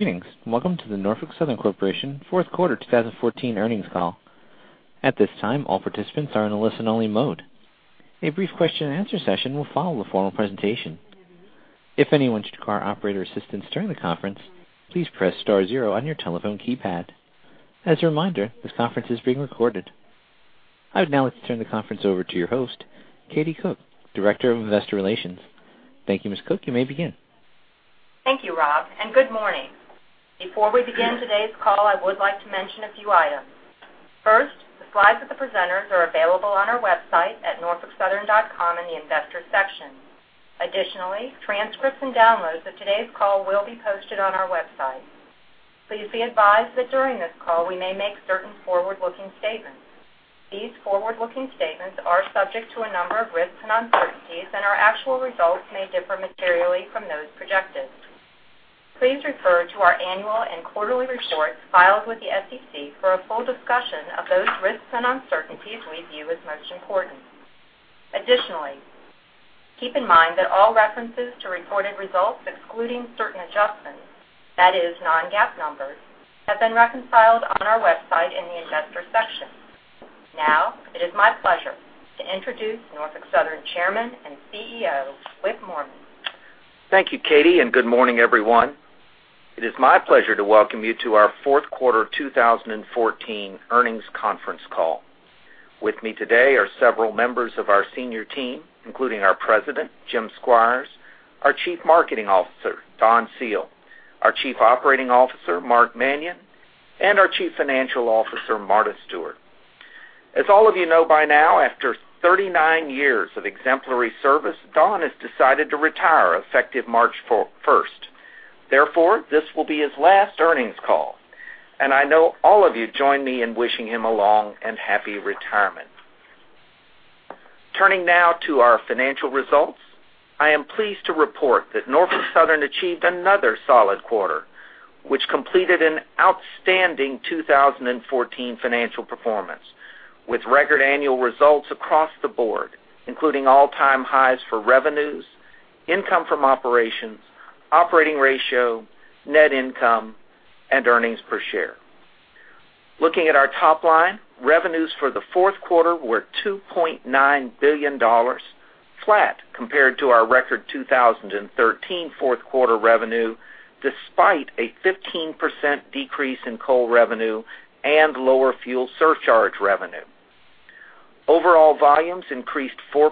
Greetings. Welcome to the Norfolk Southern Corporation fourth quarter 2014 earnings call. At this time, all participants are in a listen-only mode. A brief question-and-answer session will follow the formal presentation. If anyone should require operator assistance during the conference, please press star zero on your telephone keypad. As a reminder, this conference is being recorded. I would now like to turn the conference over to your host, Katie Cook, Director of Investor Relations. Thank you, Ms. Cook. You may begin. Thank you, Rob, and good morning. Before we begin today's call, I would like to mention a few items. First, the slides of the presenters are available on our website at norfolksouthern.com in the Investors section. Additionally, transcripts and downloads of today's call will be posted on our website. Please be advised that during this call, we may make certain forward-looking statements. These forward-looking statements are subject to a number of risks and uncertainties, and our actual results may differ materially from those projected. Please refer to our annual and quarterly reports filed with the SEC for a full discussion of those risks and uncertainties we view as most important. Additionally, keep in mind that all references to reported results, excluding certain adjustments, that is non-GAAP numbers, have been reconciled on our website in the Investors section. Now, it is my pleasure to introduce Norfolk Southern Chairman and CEO, Wick Moorman. Thank you, Katie, and good morning, everyone. It is my pleasure to welcome you to our fourth quarter 2014 earnings conference call. With me today are several members of our senior team, including our President, Jim Squires, our Chief Marketing Officer, Don Seale, our Chief Operating Officer, Mark Manion, and our Chief Financial Officer, Marta Stewart. As all of you know by now, after 39 years of exemplary service, Don has decided to retire, effective March 1. Therefore, this will be his last earnings call, and I know all of you join me in wishing him a long and happy retirement. Turning now to our financial results, I am pleased to report that Norfolk Southern achieved another solid quarter, which completed an outstanding 2014 financial performance, with record annual results across the board, including all-time highs for revenues, income from operations, operating ratio, net income, and earnings per share. Looking at our top line, revenues for the fourth quarter were $2.9 billion, flat compared to our record 2013 fourth quarter revenue, despite a 15% decrease in coal revenue and lower fuel surcharge revenue. Overall volumes increased 4%,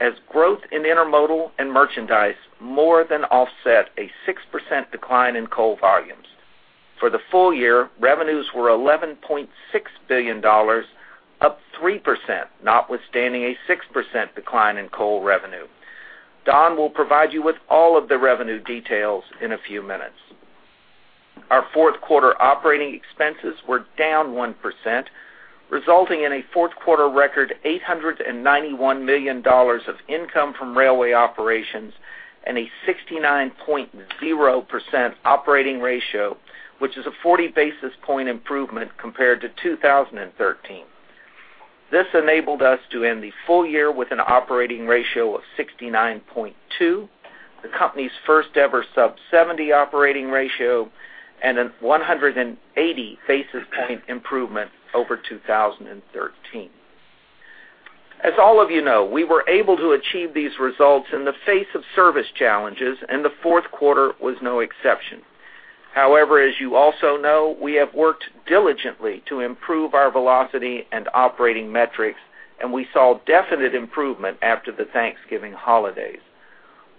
as growth in intermodal and merchandise more than offset a 6% decline in coal volumes. For the full year, revenues were $11.6 billion, up 3%, notwithstanding a 6% decline in coal revenue. Don will provide you with all of the revenue details in a few minutes. Our fourth quarter operating expenses were down 1%, resulting in a fourth quarter record, $891 million of income from railway operations and a 69.0% operating ratio, which is a 40 basis point improvement compared to 2013. This enabled us to end the full year with an operating ratio of 69.2, the company's first-ever sub-seventy operating ratio, and a 180 basis point improvement over 2013. As all of you know, we were able to achieve these results in the face of service challenges, and the fourth quarter was no exception. However, as you also know, we have worked diligently to improve our velocity and operating metrics, and we saw definite improvement after the Thanksgiving holidays.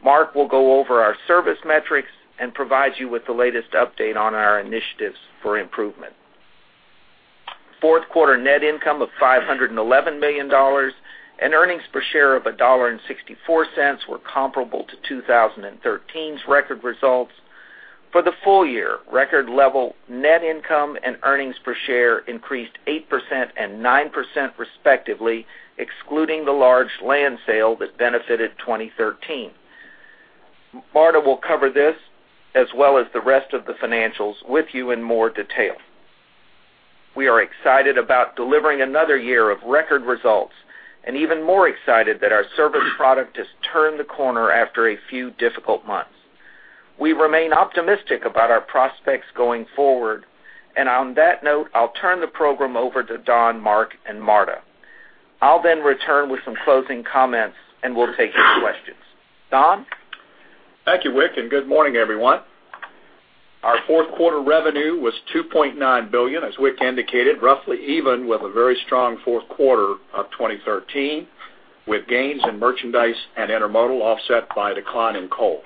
Mark will go over our service metrics and provide you with the latest update on our initiatives for improvement. Fourth quarter net income of $511 million and earnings per share of $1.64 were comparable to 2013's record results. For the full year, record level net income and earnings per share increased 8% and 9%, respectively, excluding the large land sale that benefited 2013. Marta will cover this as well as the rest of the financials with you in more detail. We are excited about delivering another year of record results and even more excited that our service product has turned the corner after a few difficult months. We remain optimistic about our prospects going forward, and on that note, I'll turn the program over to Don, Mark, and Marta. I'll then return with some closing comments, and we'll take your questions. Don? Thank you, Wick, and good morning, everyone. Our fourth quarter revenue was $2.9 billion, as Wick indicated, roughly even with a very strong fourth quarter of 2013, with gains in merchandise and intermodal offset by a decline in coal.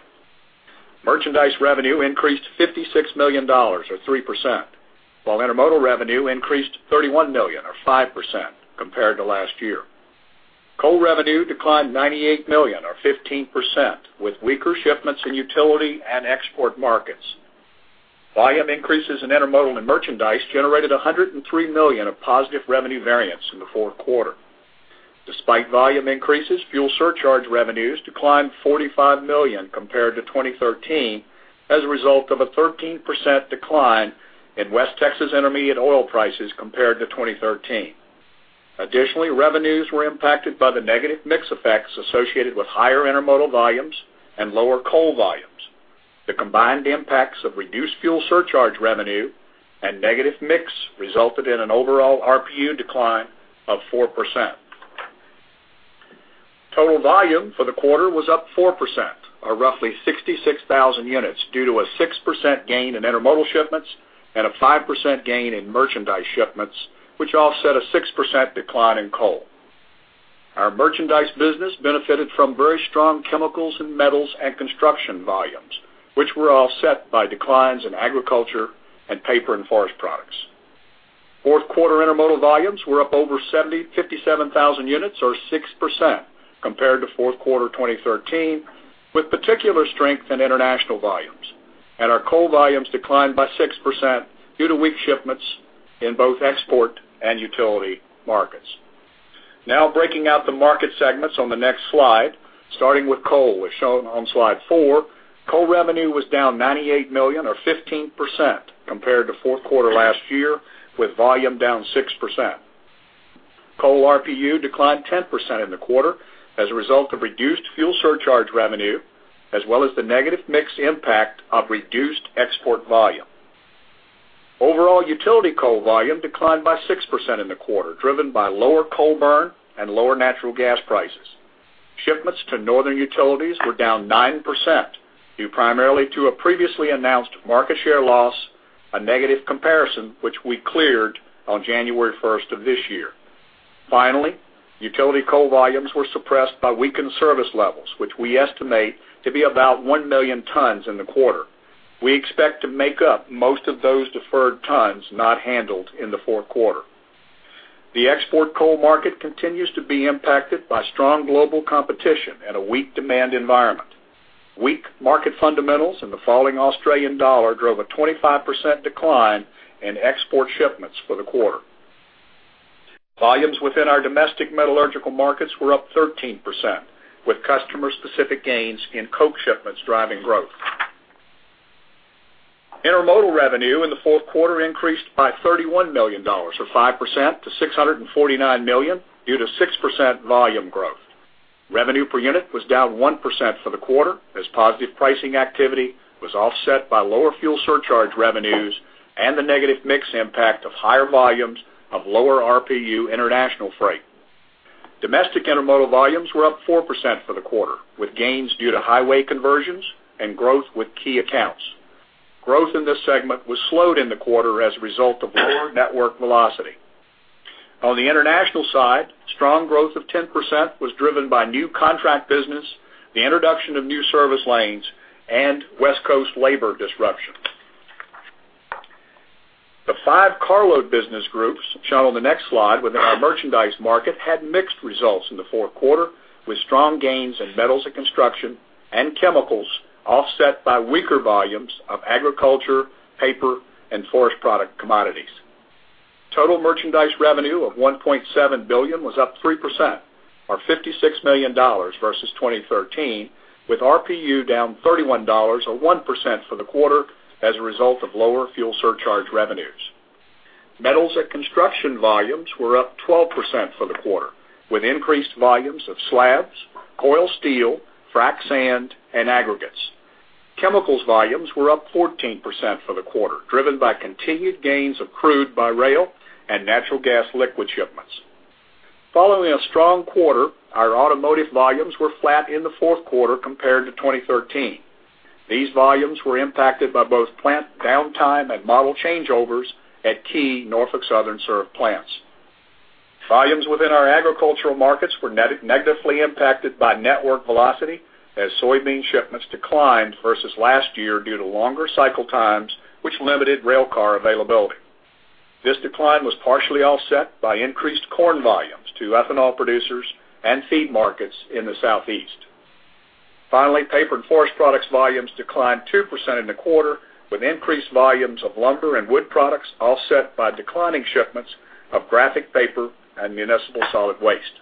Merchandise revenue increased $56 million, or 3%, while intermodal revenue increased $31 million, or 5%, compared to last year. Coal revenue declined $98 million, or 15%, with weaker shipments in utility and export markets. Volume increases in intermodal and merchandise generated $103 million of positive revenue variance in the fourth quarter. Despite volume increases, fuel surcharge revenues declined $45 million compared to 2013 as a result of a 13% decline in West Texas Intermediate oil prices compared to 2013. Additionally, revenues were impacted by the negative mix effects associated with higher intermodal volumes and lower coal volumes. The combined impacts of reduced fuel surcharge revenue and negative mix resulted in an overall RPU decline of 4%. Total volume for the quarter was up 4%, or roughly 66,000 units, due to a 6% gain in intermodal shipments and a 5% gain in merchandise shipments, which offset a 6% decline in coal. Our merchandise business benefited from very strong chemicals and metals and construction volumes, which were offset by declines in agriculture and paper and forest products. Fourth quarter intermodal volumes were up over 57,000 units, or 6% compared to fourth quarter 2013, with particular strength in international volumes, and our coal volumes declined by 6% due to weak shipments in both export and utility markets. Now, breaking out the market segments on the next slide, starting with coal, as shown on slide four, coal revenue was down $98 million, or 15% compared to fourth quarter last year, with volume down 6%. Coal RPU declined 10% in the quarter as a result of reduced fuel surcharge revenue, as well as the negative mix impact of reduced export volume. Overall, utility coal volume declined by 6% in the quarter, driven by lower coal burn and lower natural gas prices. Shipments to northern utilities were down 9%, due primarily to a previously announced market share loss, a negative comparison, which we cleared on January 1st of this year. Finally, utility coal volumes were suppressed by weakened service levels, which we estimate to be about 1 million tons in the quarter. We expect to make up most of those deferred tons not handled in the fourth quarter. The export coal market continues to be impacted by strong global competition and a weak demand environment. Weak market fundamentals and the falling Australian dollar drove a 25% decline in export shipments for the quarter. Volumes within our domestic metallurgical markets were up 13%, with customer-specific gains in coke shipments driving growth. Intermodal revenue in the fourth quarter increased by $31 million, or 5% to $649 million, due to 6% volume growth. Revenue per unit was down 1% for the quarter as positive pricing activity was offset by lower fuel surcharge revenues and the negative mix impact of higher volumes of lower RPU international freight. Domestic intermodal volumes were up 4% for the quarter, with gains due to highway conversions and growth with key accounts. Growth in this segment was slowed in the quarter as a result of lower network velocity. On the international side, strong growth of 10% was driven by new contract business, the introduction of new service lanes, and West Coast labor disruptions. The five carload business groups shown on the next slide within our merchandise market had mixed results in the fourth quarter, with strong gains in metals and construction and chemicals offset by weaker volumes of agriculture, paper, and forest product commodities. Total merchandise revenue of $1.7 billion was up 3%, or $56 million versus 2013, with RPU down $31, or 1% for the quarter as a result of lower fuel surcharge revenues. Metals and construction volumes were up 12% for the quarter, with increased volumes of slabs, coil steel, frac sand, and aggregates. Chemicals volumes were up 14% for the quarter, driven by continued gains of crude by rail and natural gas liquid shipments. Following a strong quarter, our automotive volumes were flat in the fourth quarter compared to 2013. These volumes were impacted by both plant downtime and model changeovers at key Norfolk Southern served plants. Volumes within our agricultural markets were net negatively impacted by network velocity as soybean shipments declined versus last year due to longer cycle times, which limited railcar availability. This decline was partially offset by increased corn volumes to ethanol producers and feed markets in the Southeast. Finally, paper and forest products volumes declined 2% in the quarter, with increased volumes of lumber and wood products offset by declining shipments of graphic paper and municipal solid waste.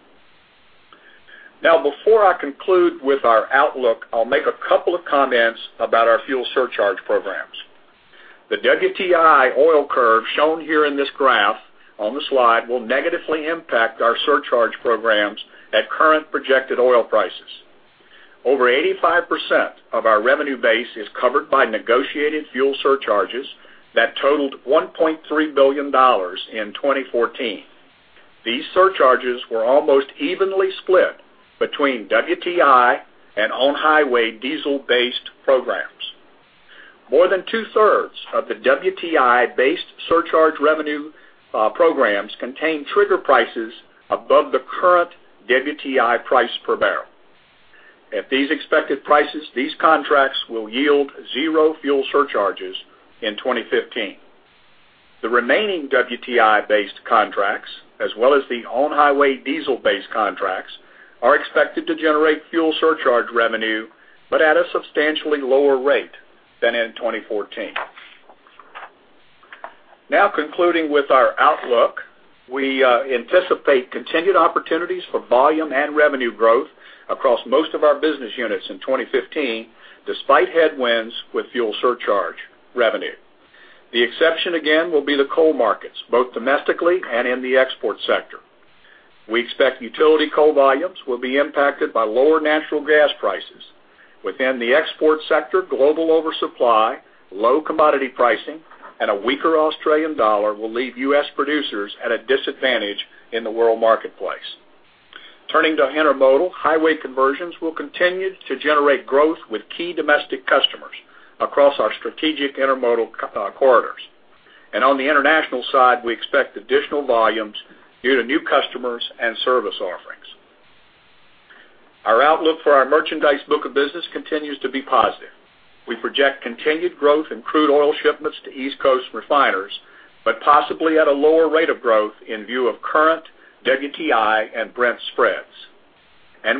Now, before I conclude with our outlook, I'll make a couple of comments about our fuel surcharge programs. The WTI oil curve, shown here in this graph on the slide, will negatively impact our surcharge programs at current projected oil prices. Over 85% of our revenue base is covered by negotiated fuel surcharges that totaled $1.3 billion in 2014. These surcharges were almost evenly split between WTI and on-highway diesel-based programs. More than two-thirds of the WTI-based surcharge revenue programs contain trigger prices above the current WTI price per barrel. At these expected prices, these contracts will yield zero fuel surcharges in 2015. The remaining WTI-based contracts, as well as the on-highway diesel-based contracts, are expected to generate fuel surcharge revenue, but at a substantially lower rate than in 2014. Now, concluding with our outlook, we anticipate continued opportunities for volume and revenue growth across most of our business units in 2015, despite headwinds with fuel surcharge revenue. The exception again will be the coal markets, both domestically and in the export sector. We expect utility coal volumes will be impacted by lower natural gas prices. Within the export sector, global oversupply, low commodity pricing, and a weaker Australian dollar will leave U.S. producers at a disadvantage in the world marketplace. Turning to intermodal, highway conversions will continue to generate growth with key domestic customers across our strategic intermodal corridors. On the international side, we expect additional volumes due to new customers and service offerings. Our outlook for our merchandise book of business continues to be positive. We project continued growth in crude oil shipments to East Coast refiners, but possibly at a lower rate of growth in view of current WTI and Brent spreads.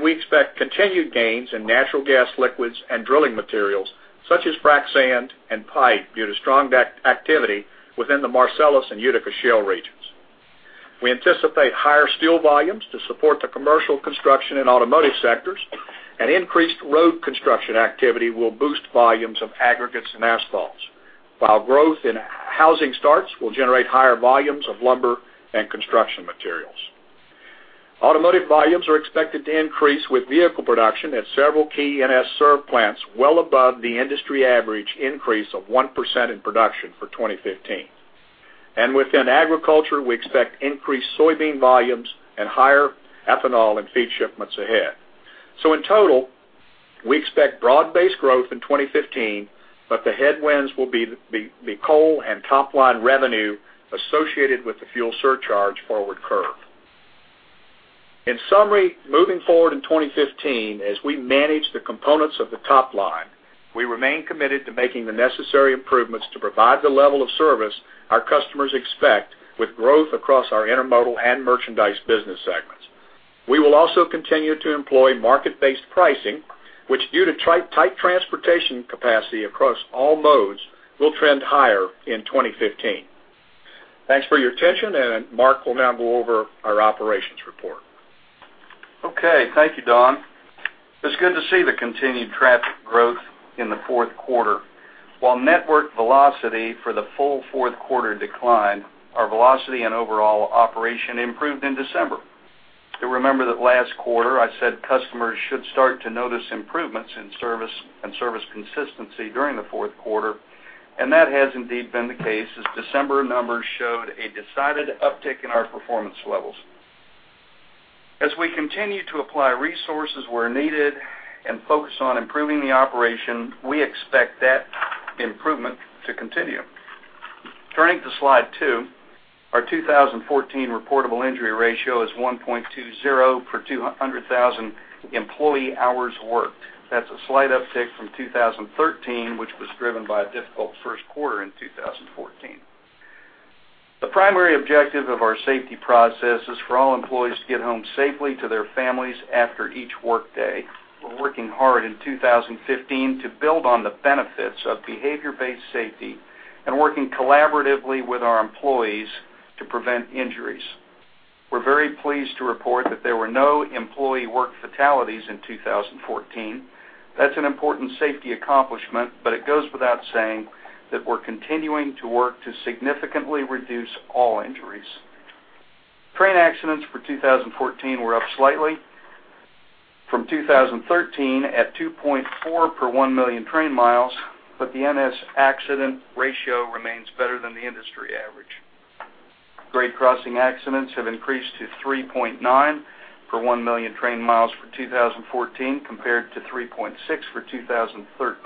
We expect continued gains in natural gas liquids and drilling materials, such as frac sand and pipe, due to strong activity within the Marcellus and Utica Shale regions. We anticipate higher steel volumes to support the commercial construction and automotive sectors, and increased road construction activity will boost volumes of aggregates and asphalts, while growth in housing starts will generate higher volumes of lumber and construction materials. Automotive volumes are expected to increase with vehicle production at several key NS-served plants well above the industry average increase of 1% in production for 2015. Within agriculture, we expect increased soybean volumes and higher ethanol and feed shipments ahead. In total, we expect broad-based growth in 2015, but the headwinds will be coal and top-line revenue associated with the fuel surcharge forward curve. In summary, moving forward in 2015, as we manage the components of the top line, we remain committed to making the necessary improvements to provide the level of service our customers expect with growth across our intermodal and merchandise business segments. We will also continue to employ market-based pricing, which, due to tight transportation capacity across all modes, will trend higher in 2015. Thanks for your attention, and Mark will now go over our operations report. Okay. Thank you, Don. It's good to see the continued traffic growth in the fourth quarter. While network velocity for the full fourth quarter declined, our velocity and overall operation improved in December. You'll remember that last quarter, I said customers should start to notice improvements in service and service consistency during the fourth quarter, and that has indeed been the case, as December numbers showed a decided uptick in our performance levels. As we continue to apply resources where needed and focus on improving the operation, we expect that improvement to continue. Turning to slide two, our 2014 reportable injury ratio is 1.20 per 200,000 employee hours worked. That's a slight uptick from 2013, which was driven by a difficult first quarter in 2014. The primary objective of our safety process is for all employees to get home safely to their families after each workday. We're working hard in 2015 to build on the benefits of behavior-based safety and working collaboratively with our employees to prevent injuries. We're very pleased to report that there were no employee work fatalities in 2014. That's an important safety accomplishment, but it goes without saying that we're continuing to work to significantly reduce all injuries. Train accidents for 2014 were up slightly from 2013 at 2.4 per 1 million train miles, but the NS accident ratio remains better than the industry average. Grade crossing accidents have increased to 3.9 per 1 million train miles for 2014, compared to 3.6 for 2013.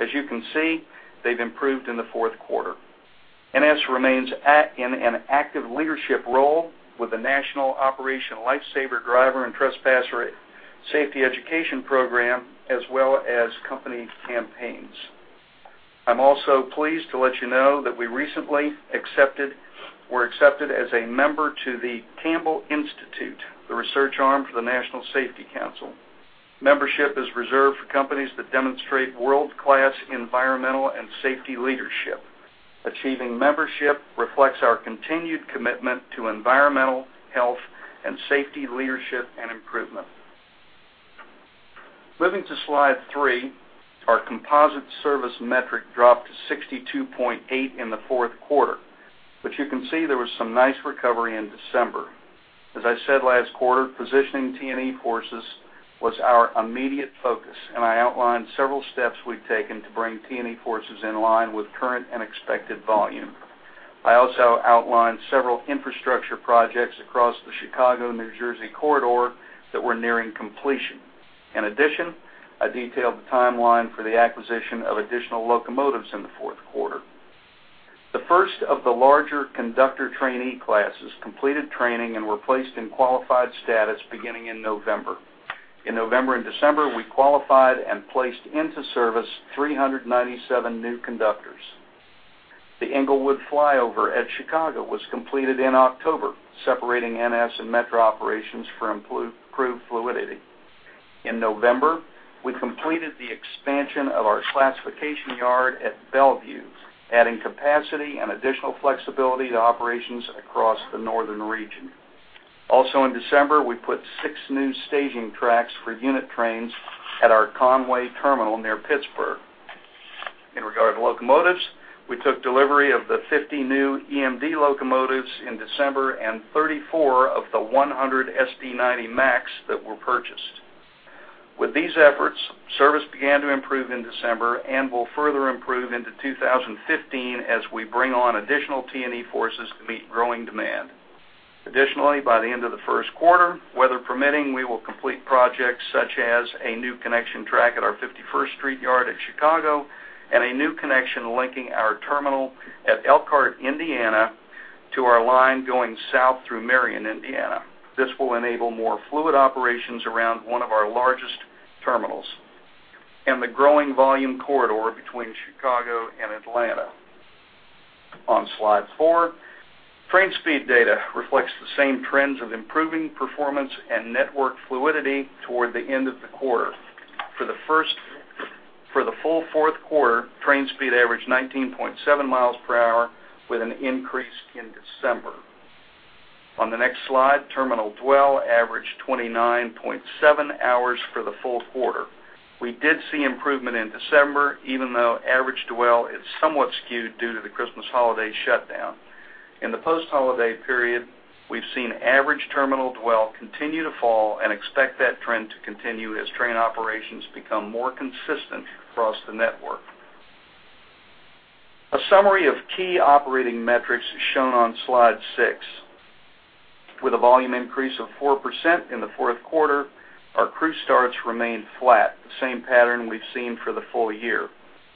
As you can see, they've improved in the fourth quarter. NS remains in an active leadership role with Operation Lifesaver driver and trespasser safety education program, as well as company campaigns. I'm also pleased to let you know that we recently were accepted as a member to The Campbell Institute, the research arm for the National Safety Council. Membership is reserved for companies that demonstrate world-class environmental and safety leadership. Achieving membership reflects our continued commitment to environmental, health, and safety, leadership and improvement. Moving to slide three, our composite service metric dropped to 62.8 in the fourth quarter, but you can see there was some nice recovery in December. As I said last quarter, positioning T&E forces was our immediate focus, and I outlined several steps we've taken to bring T&E forces in line with current and expected volume. I also outlined several infrastructure projects across the Chicago, New Jersey corridor that were nearing completion. In addition, I detailed the timeline for the acquisition of additional locomotives in the fourth quarter. The first of the larger conductor trainee classes completed training and were placed in qualified status beginning in November. In November and December, we qualified and placed into service 397 new conductors. The Englewood Flyover at Chicago was completed in October, separating NS and Metra operations for improved fluidity. In November, we completed the expansion of our classification yard at Bellevue, adding capacity and additional flexibility to operations across the northern region. Also in December, we put six new staging tracks for unit trains at our Conway terminal near Pittsburgh. In regard to locomotives, we took delivery of the 50 new EMD locomotives in December and 34 of the 100 SD90MACs that were purchased. With these efforts, service began to improve in December and will further improve into 2015 as we bring on additional T&E forces to meet growing demand. Additionally, by the end of the first quarter, weather permitting, we will complete projects such as a new connection track at our 51st Street Yard at Chicago and a new connection linking our terminal at Elkhart, Indiana, to our line going south through Marion, Indiana. This will enable more fluid operations around one of our largest terminals and the growing volume corridor between Chicago and Atlanta. On slide four, train speed data reflects the same trends of improving performance and network fluidity toward the end of the quarter. For the full fourth quarter, train speed averaged 19.7 miles per hour, with an increase in December. On the next slide, terminal dwell averaged 29.7 hours for the full quarter. We did see improvement in December, even though average dwell is somewhat skewed due to the Christmas holiday shutdown. In the post-holiday period, we've seen average terminal dwell continue to fall and expect that trend to continue as train operations become more consistent across the network. A summary of key operating metrics is shown on slide six. With a volume increase of 4% in the fourth quarter, our crew starts remained flat, the same pattern we've seen for the full year.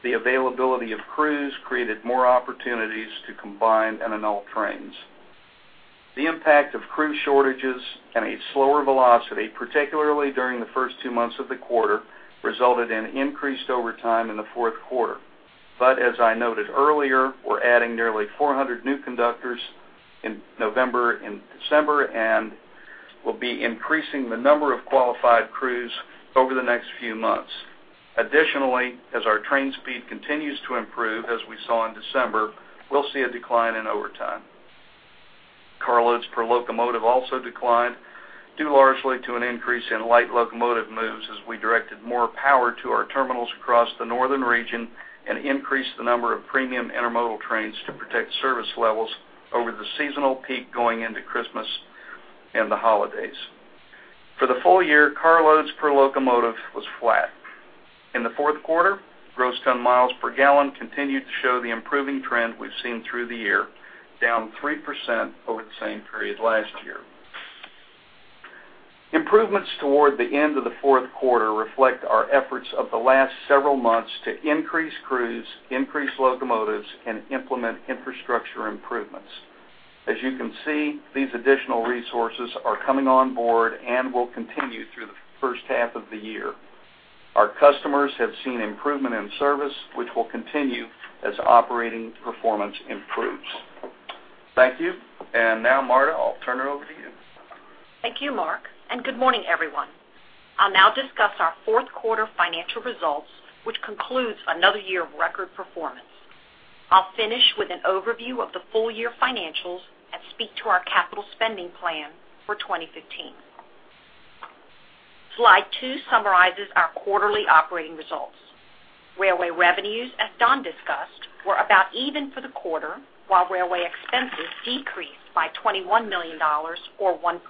The availability of crews created more opportunities to combine and annul trains. The impact of crew shortages and a slower velocity, particularly during the first two months of the quarter, resulted in increased overtime in the fourth quarter. But as I noted earlier, we're adding nearly 400 new conductors in November and December, and we'll be increasing the number of qualified crews over the next few months. Additionally, as our train speed continues to improve, as we saw in December, we'll see a decline in overtime. Carloads per locomotive also declined, due largely to an increase in light locomotive moves as we directed more power to our terminals across the northern region and increased the number of premium intermodal trains to protect service levels over the seasonal peak going into Christmas and the holidays. For the full year, carloads per locomotive was flat. In the fourth quarter, gross ton miles per gallon continued to show the improving trend we've seen through the year, down 3% over the same period last year. Improvements toward the end of the fourth quarter reflect our efforts of the last several months to increase crews, increase locomotives, and implement infrastructure improvements. As you can see, these additional resources are coming on board and will continue through the first half of the year. Our customers have seen improvement in service, which will continue as operating performance improves. Thank you. And now, Marta, I'll turn it over to you. Thank you, Mark, and good morning, everyone. I'll now discuss our fourth quarter financial results, which concludes another year of record performance. I'll finish with an overview of the full year financials and speak to our capital spending plan for 2015. Slide two summarizes our quarterly operating results. Railway revenues, as Don discussed, were about even for the quarter, while railway expenses decreased by $21 million or 1%.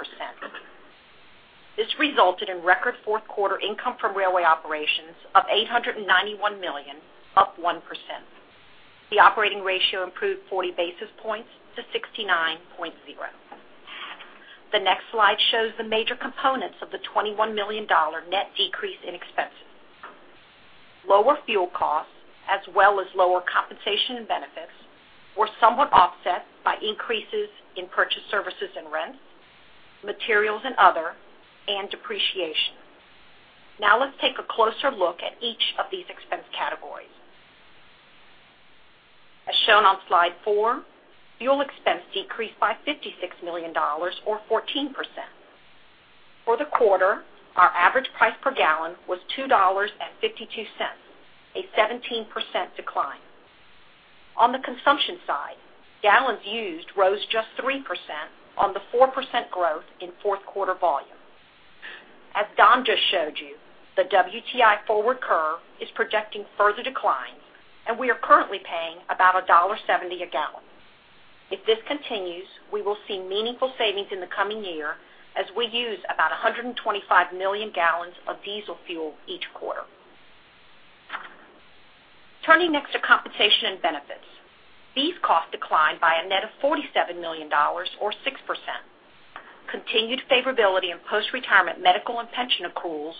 This resulted in record fourth quarter income from railway operations of $891 million, up 1%. The operating ratio improved 40 basis points to 69.0. The next slide shows the major components of the $21 million net decrease in expenses. Lower fuel costs, as well as lower compensation and benefits, were somewhat offset by increases in purchased services and rent, materials and other, and depreciation. Now, let's take a closer look at each of these expense categories. As shown on slide four, fuel expense decreased by $56 million, or 14%. For the quarter, our average price per gallon was $2.52, a 17% decline. On the consumption side, gallons used rose just 3% on the 4% growth in fourth quarter volume. As Don just showed you, the WTI forward curve is projecting further declines, and we are currently paying about $1.70 a gallon. If this continues, we will see meaningful savings in the coming year as we use about 125 million gallons of diesel fuel each quarter. Turning next to compensation and benefits. These costs declined by a net of $47 million, or 6%. Continued favorability in post-retirement medical and pension accruals,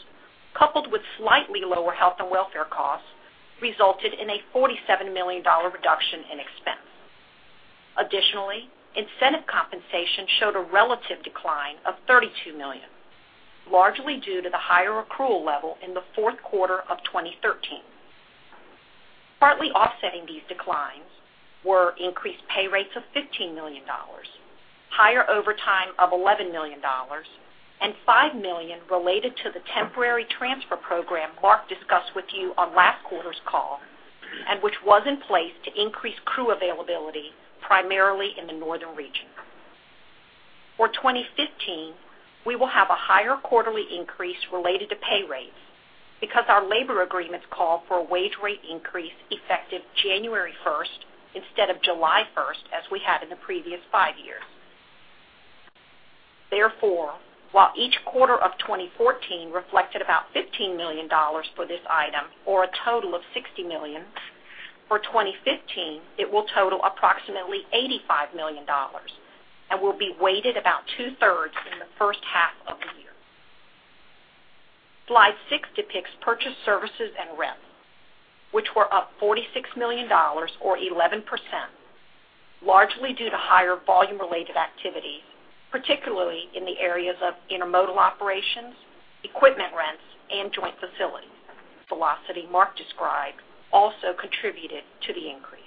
coupled with slightly lower health and welfare costs, resulted in a $47 million reduction in expense. Additionally, incentive compensation showed a relative decline of $32 million, largely due to the higher accrual level in the fourth quarter of 2013. Partly offsetting these declines were increased pay rates of $15 million, higher overtime of $11 million, and $5 million related to the temporary transfer program Mark discussed with you on last quarter's call, and which was in place to increase crew availability, primarily in the northern region. For 2015, we will have a higher quarterly increase related to pay rates because our labor agreements call for a wage rate increase effective January 1, instead of July 1, as we had in the previous five years. Therefore, while each quarter of 2014 reflected about $15 million for this item, or a total of $60 million, for 2015, it will total approximately $85 million and will be weighted about 2/3 in the first half of the year. Slide six depicts purchased services and rent, which were up $46 million, or 11%, largely due to higher volume-related activity, particularly in the areas of intermodal operations, equipment rents, and joint facilities. Velocity, Mark described, also contributed to the increase.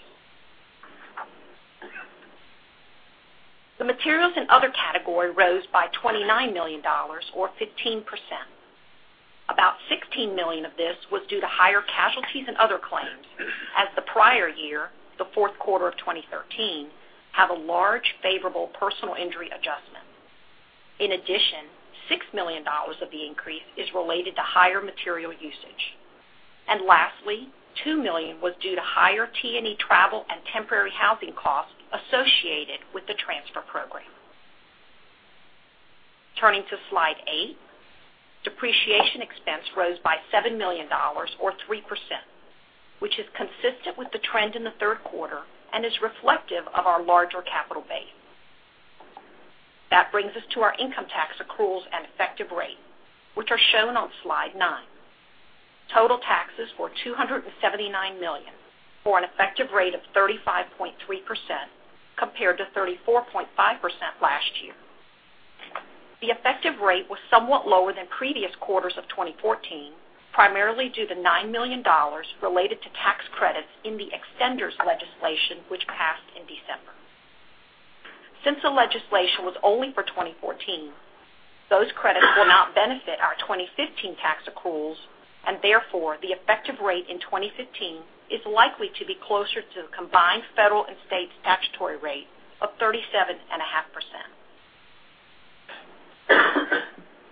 The materials and other category rose by $29 million or 15%. About $16 million of this was due to higher casualties and other claims, as the prior year, the fourth quarter of 2013, had a large favorable personal injury adjustment. In addition, $6 million of the increase is related to higher material usage. And lastly, $2 million was due to higher T&E travel and temporary housing costs associated with the transfer program. Turning to slide eight, depreciation expense rose by $7 million, or 3%, which is consistent with the trend in the third quarter and is reflective of our larger capital base. That brings us to our income tax accruals and effective rate, which are shown on slide nine. Total taxes were $279 million, for an effective rate of 35.3%, compared to 34.5% last year. The effective rate was somewhat lower than previous quarters of 2014, primarily due to $9 million related to tax credits in the extenders legislation, which passed in December. Since the legislation was only for 2014, those credits will not benefit our 2015 tax accruals, and therefore, the effective rate in 2015 is likely to be closer to the combined federal and state statutory rate of 37.5%.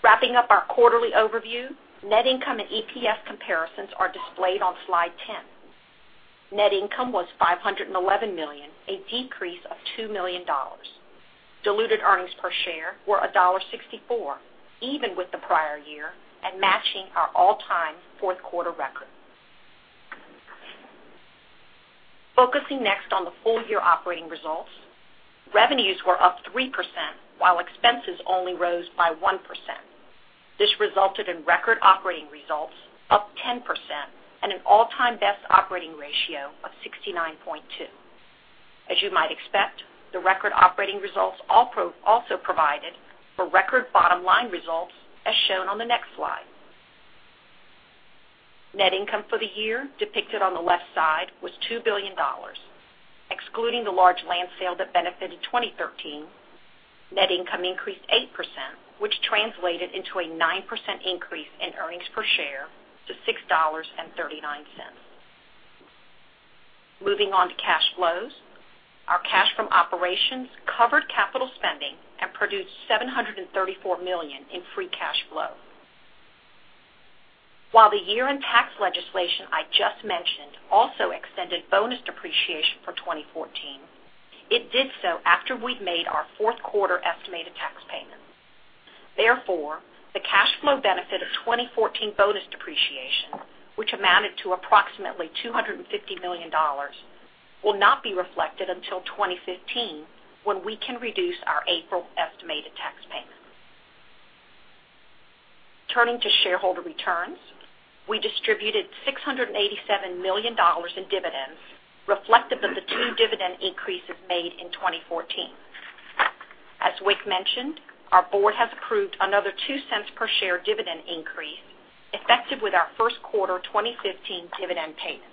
Wrapping up our quarterly overview, net income and EPS comparisons are displayed on slide 10. Net income was $511 million, a decrease of $2 million. Diluted earnings per share were $1.64, even with the prior year, and matching our all-time fourth quarter record. Focusing next on the full-year operating results, revenues were up 3%, while expenses only rose by 1%. This resulted in record operating results, up 10%, and an all-time best operating ratio of 69.2%. As you might expect, the record operating results also provided for record bottom line results, as shown on the next slide. Net income for the year, depicted on the left side, was $2 billion. Excluding the large land sale that benefited 2013, net income increased 8%, which translated into a 9% increase in earnings per share to $6.39. Moving on to cash flows. Our cash from operations covered capital spending and produced $734 million in free cash flow. While the year-end tax legislation I just mentioned also extended bonus depreciation for 2014, it did so after we'd made our fourth quarter estimated tax payments. Therefore, the cash flow benefit of 2014 bonus depreciation, which amounted to approximately $250 million, will not be reflected until 2015, when we can reduce our April estimated tax payments. Turning to shareholder returns, we distributed $687 million in dividends, reflective of the two dividend increases made in 2014. As Wick mentioned, our board has approved another $0.02 per share dividend increase, effective with our first quarter 2015 dividend payment.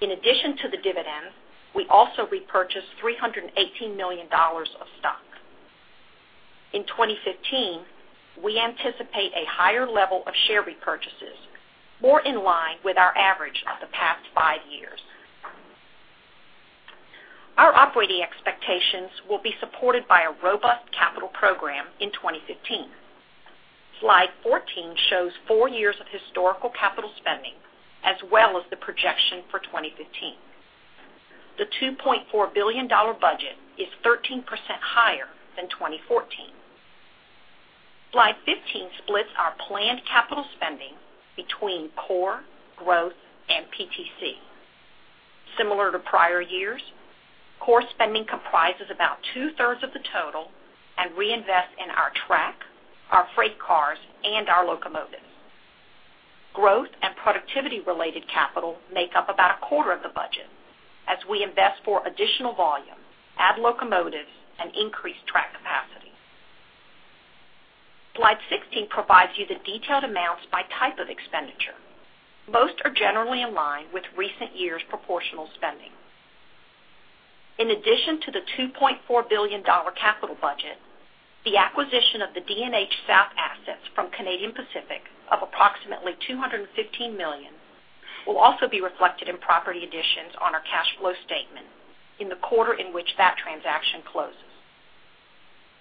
In addition to the dividend, we also repurchased $318 million of stock. In 2015, we anticipate a higher level of share repurchases, more in line with our average of the past five years. Our operating expectations will be supported by a robust capital program in 2015. Slide 14 shows four years of historical capital spending, as well as the projection for 2015. The $2.4 billion budget is 13% higher than 2014. Slide 15 splits our planned capital spending between core, growth, and PTC. Similar to prior years, core spending comprises about two-thirds of the total and reinvest in our track, our freight cars, and our locomotives. Growth and productivity-related capital make up about a quarter of the budget as we invest for additional volume, add locomotives, and increase track capacity. Slide 16 provides you the detailed amounts by type of expenditure. Most are generally in line with recent years' proportional spending in addition to the $2.4 billion capital budget, the acquisition of the D&H South assets from Canadian Pacific of approximately $215 million will also be reflected in property additions on our cash flow statement in the quarter in which that transaction closes.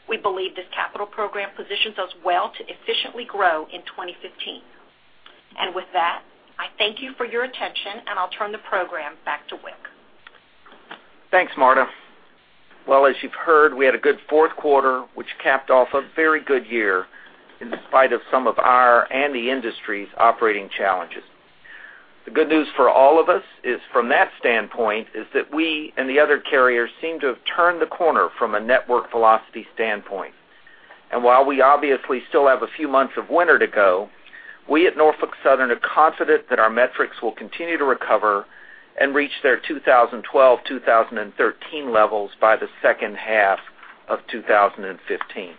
We believe this capital program positions us well to efficiently grow in 2015. And with that, I thank you for your attention, and I'll turn the program back to Wick. Thanks, Marta. Well, as you've heard, we had a good fourth quarter, which capped off a very good year in spite of some of our and the industry's operating challenges. The good news for all of us is, from that standpoint, is that we and the other carriers seem to have turned the corner from a network velocity standpoint. And while we obviously still have a few months of winter to go, we at Norfolk Southern are confident that our metrics will continue to recover and reach their 2012, 2013 levels by the second half of 2015.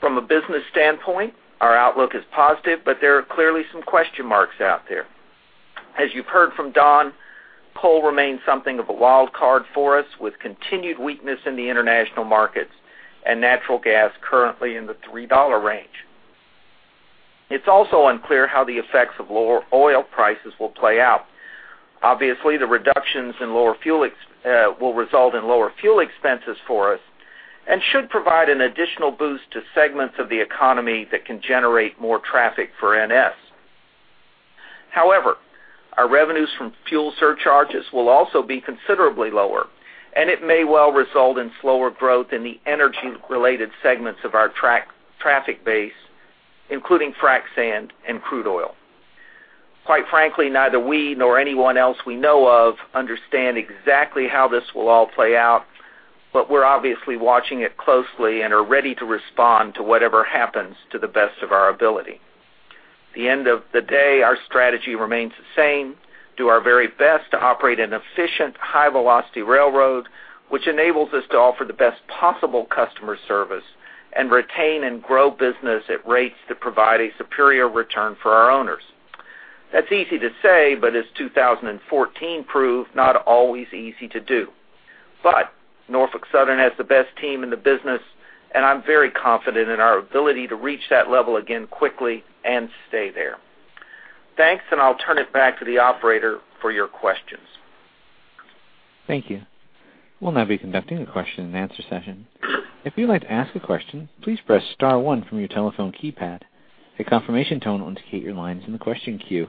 From a business standpoint, our outlook is positive, but there are clearly some question marks out there. As you've heard from Don, coal remains something of a wild card for us, with continued weakness in the international markets and natural gas currently in the $3 range. It's also unclear how the effects of lower oil prices will play out. Obviously, the reductions in lower fuel expenses will result in lower fuel expenses for us and should provide an additional boost to segments of the economy that can generate more traffic for NS. However, our revenues from fuel surcharges will also be considerably lower, and it may well result in slower growth in the energy-related segments of our traffic base, including frac sand and crude oil. Quite frankly, neither we nor anyone else we know of understand exactly how this will all play out, but we're obviously watching it closely and are ready to respond to whatever happens to the best of our ability. At the end of the day, our strategy remains the same: do our very best to operate an efficient, high-velocity railroad, which enables us to offer the best possible customer service and retain and grow business at rates that provide a superior return for our owners. That's easy to say, but as 2014 proved, not always easy to do. But Norfolk Southern has the best team in the business, and I'm very confident in our ability to reach that level again quickly and stay there. Thanks, and I'll turn it back to the operator for your questions. Thank you. We'll now be conducting a question-and-answer session. If you'd like to ask a question, please press star one from your telephone keypad. A confirmation tone will indicate your line is in the question queue.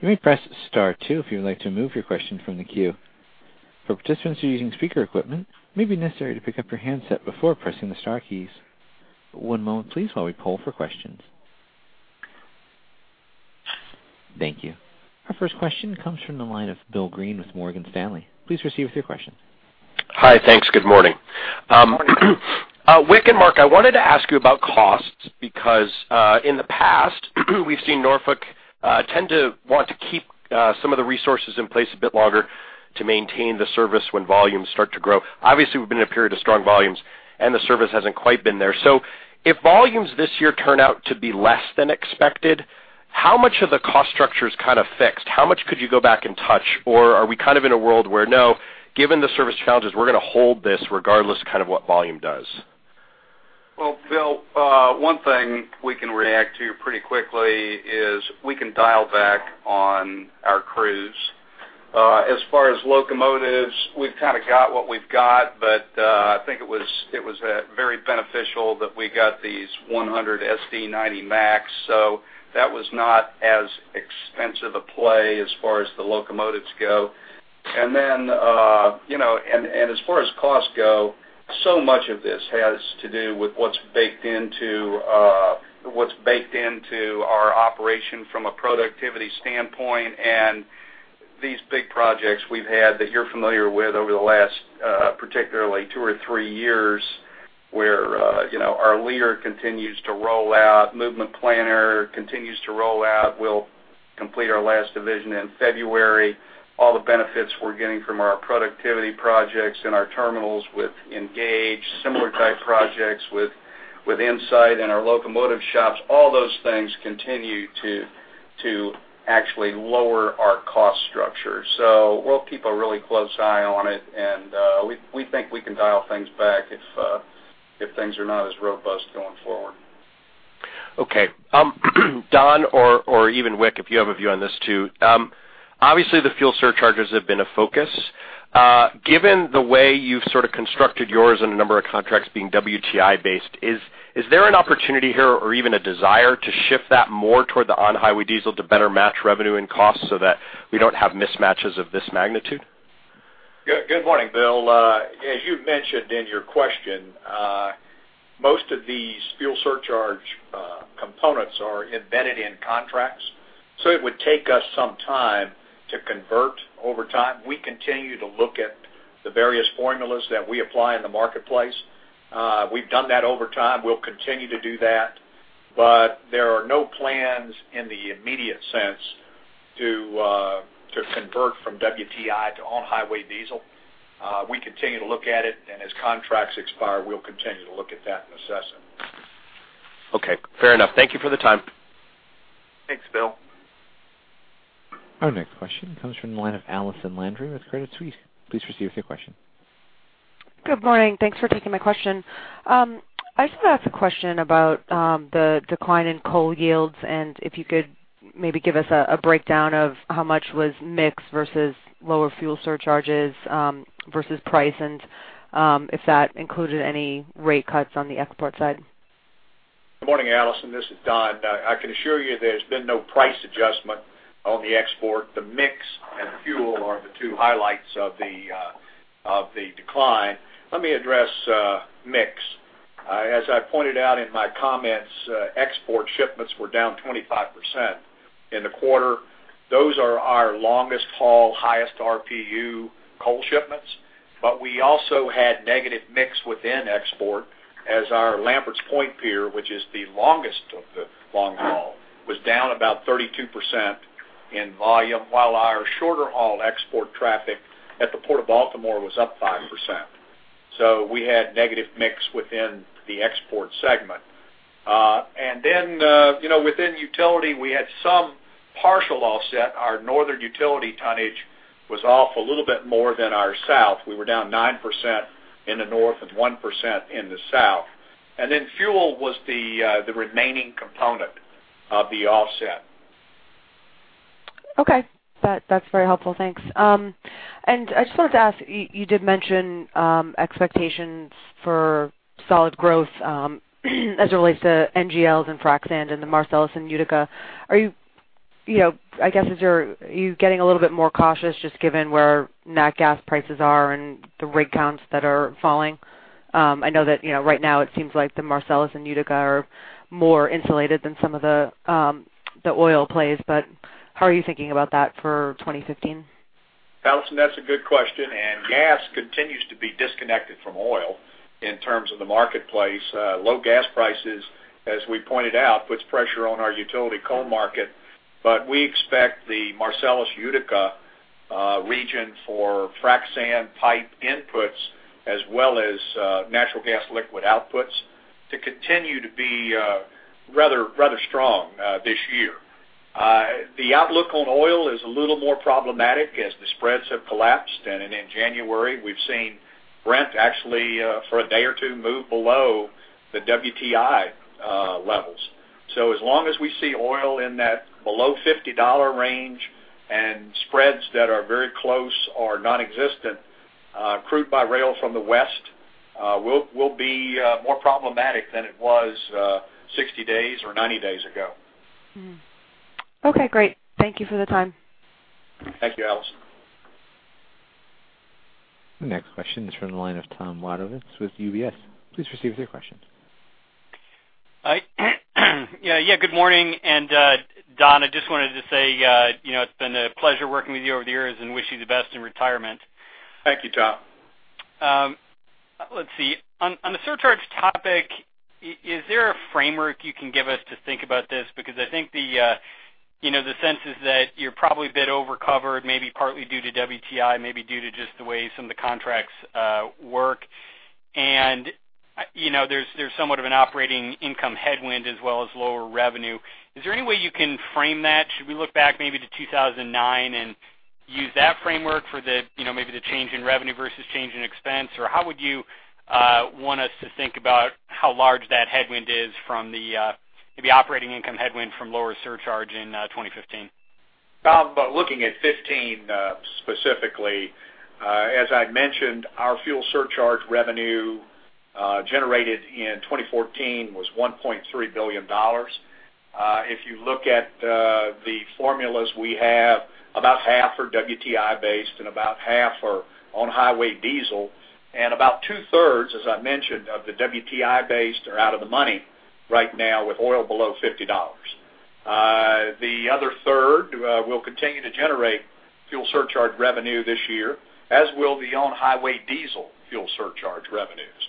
You may press star two if you would like to remove your question from the queue. For participants who are using speaker equipment, it may be necessary to pick up your handset before pressing the star keys. One moment, please, while we poll for questions. Thank you. Our first question comes from the line of William Greene with Morgan Stanley. Please proceed with your question. Hi. Thanks. Good morning. Wick and Mark, I wanted to ask you about costs, because, in the past, we've seen Norfolk tend to want to keep some of the resources in place a bit longer to maintain the service when volumes start to grow. Obviously, we've been in a period of strong volumes, and the service hasn't quite been there. So if volumes this year turn out to be less than expected, how much of the cost structure is kind of fixed? How much could you go back and touch, or are we kind of in a world where, no, given the service challenges, we're gonna hold this regardless kind of what volume does? Well, Will, one thing we can react to pretty quickly is we can dial back on our crews. As far as locomotives, we've kind of got what we've got, but I think it was very beneficial that we got these 100 SD90MACs, so that was not as expensive a play as far as the locomotives go. And then, you know, and as far as costs go, so much of this has to do with what's baked into our operation from a productivity standpoint and these big projects we've had that you're familiar with over the last, particularly two or three years, where, you know, our LEADER continues to roll out, Movement Planner continues to roll out. We'll complete our last division in February. All the benefits we're getting from our productivity projects and our terminals with Engage, similar type projects with Insight and our locomotive shops, all those things continue to actually lower our cost structure. So we'll keep a really close eye on it, and we think we can dial things back if things are not as robust going forward. Okay. Don, or even Wick, if you have a view on this, too. Obviously, the fuel surcharges have been a focus. Given the way you've sort of constructed yours and a number of contracts being WTI based, is there an opportunity here or even a desire to shift that more toward the on-highway diesel to better match revenue and cost so that we don't have mismatches of this magnitude? Good morning, Will. As you mentioned in your question, most of these fuel surcharge components are embedded in contracts, so it would take us some time to convert over time. We continue to look at the various formulas that we apply in the marketplace. We've done that over time. We'll continue to do that, but there are no plans in the immediate sense to convert from WTI to on-highway diesel. We continue to look at it, and as contracts expire, we'll continue to look at that and assess it. Okay, fair enough. Thank you for the time. Our next question comes from the line of Allison Landry with Credit Suisse. Please proceed with your question. Good morning. Thanks for taking my question. I just want to ask a question about the decline in coal yields, and if you could maybe give us a breakdown of how much was mix versus lower fuel surcharges versus price, and if that included any rate cuts on the export side. Good morning, Allison. This is Don. I can assure you there's been no price adjustment on the export. The mix and fuel are the two highlights of the decline. Let me address mix. As I pointed out in my comments, export shipments were down 25% in the quarter. Those are our longest-haul, highest RPU coal shipments, but we also had negative mix within export as our Lamberts Point pier, which is the longest of the long haul, was down about 32% in volume, while our shorter-haul export traffic at the Port of Baltimore was up 5%. So we had negative mix within the export segment. And then, you know, within utility, we had some partial offset. Our northern utility tonnage was off a little bit more than our south. We were down 9% in the north and 1% in the south. And then fuel was the remaining component of the offset. Okay. That, that's very helpful. Thanks. And I just wanted to ask, you, you did mention, expectations for solid growth, as it relates to NGLs and frac sand and the Marcellus and Utica. Are you, you know, I guess, is your-- are you getting a little bit more cautious just given where nat gas prices are and the rig counts that are falling? I know that, you know, right now it seems like the Marcellus and Utica are more insulated than some of the, the oil plays, but how are you thinking about that for 2015? Allison, that's a good question, and gas continues to be disconnected from oil in terms of the marketplace. Low gas prices, as we pointed out, puts pressure on our utility coal market, but we expect the Marcellus Utica region for frac sand pipe inputs as well as natural gas liquid outputs to continue to be rather strong this year. The outlook on oil is a little more problematic as the spreads have collapsed, and in January, we've seen Brent actually for a day or two move below the WTI levels. So as long as we see oil in that below $50 range and spreads that are very close or non-existent, crude by rail from the west will be more problematic than it was 60 days or 90 days ago. Mm-hmm. Okay, great. Thank you for the time. Thank you, Allison. The next question is from the line of Thomas Wadewitz with UBS. Please proceed with your question. Yeah, yeah, good morning. And, Don, I just wanted to say, you know, it's been a pleasure working with you over the years and wish you the best in retirement. Thank you, Tom. Let's see. On the surcharge topic, is there a framework you can give us to think about this? Because I think the, you know, the sense is that you're probably a bit over-covered, maybe partly due to WTI, maybe due to just the way some of the contracts work. And you know, there's somewhat of an operating income headwind as well as lower revenue. Is there any way you can frame that? Should we look back maybe to 2009 and use that framework for the, you know, maybe the change in revenue versus change in expense? Or how would you want us to think about how large that headwind is from the, the operating income headwind from lower surcharge in 2015? Tom, by looking at 15, specifically, as I mentioned, our fuel surcharge revenue generated in 2014 was $1.3 billion. If you look at the formulas, we have about half are WTI based, and about half are on highway diesel, and about two-thirds, as I mentioned, of the WTI based are out of the money right now with oil below $50. The other third will continue to generate fuel surcharge revenue this year, as will the on highway diesel fuel surcharge revenues.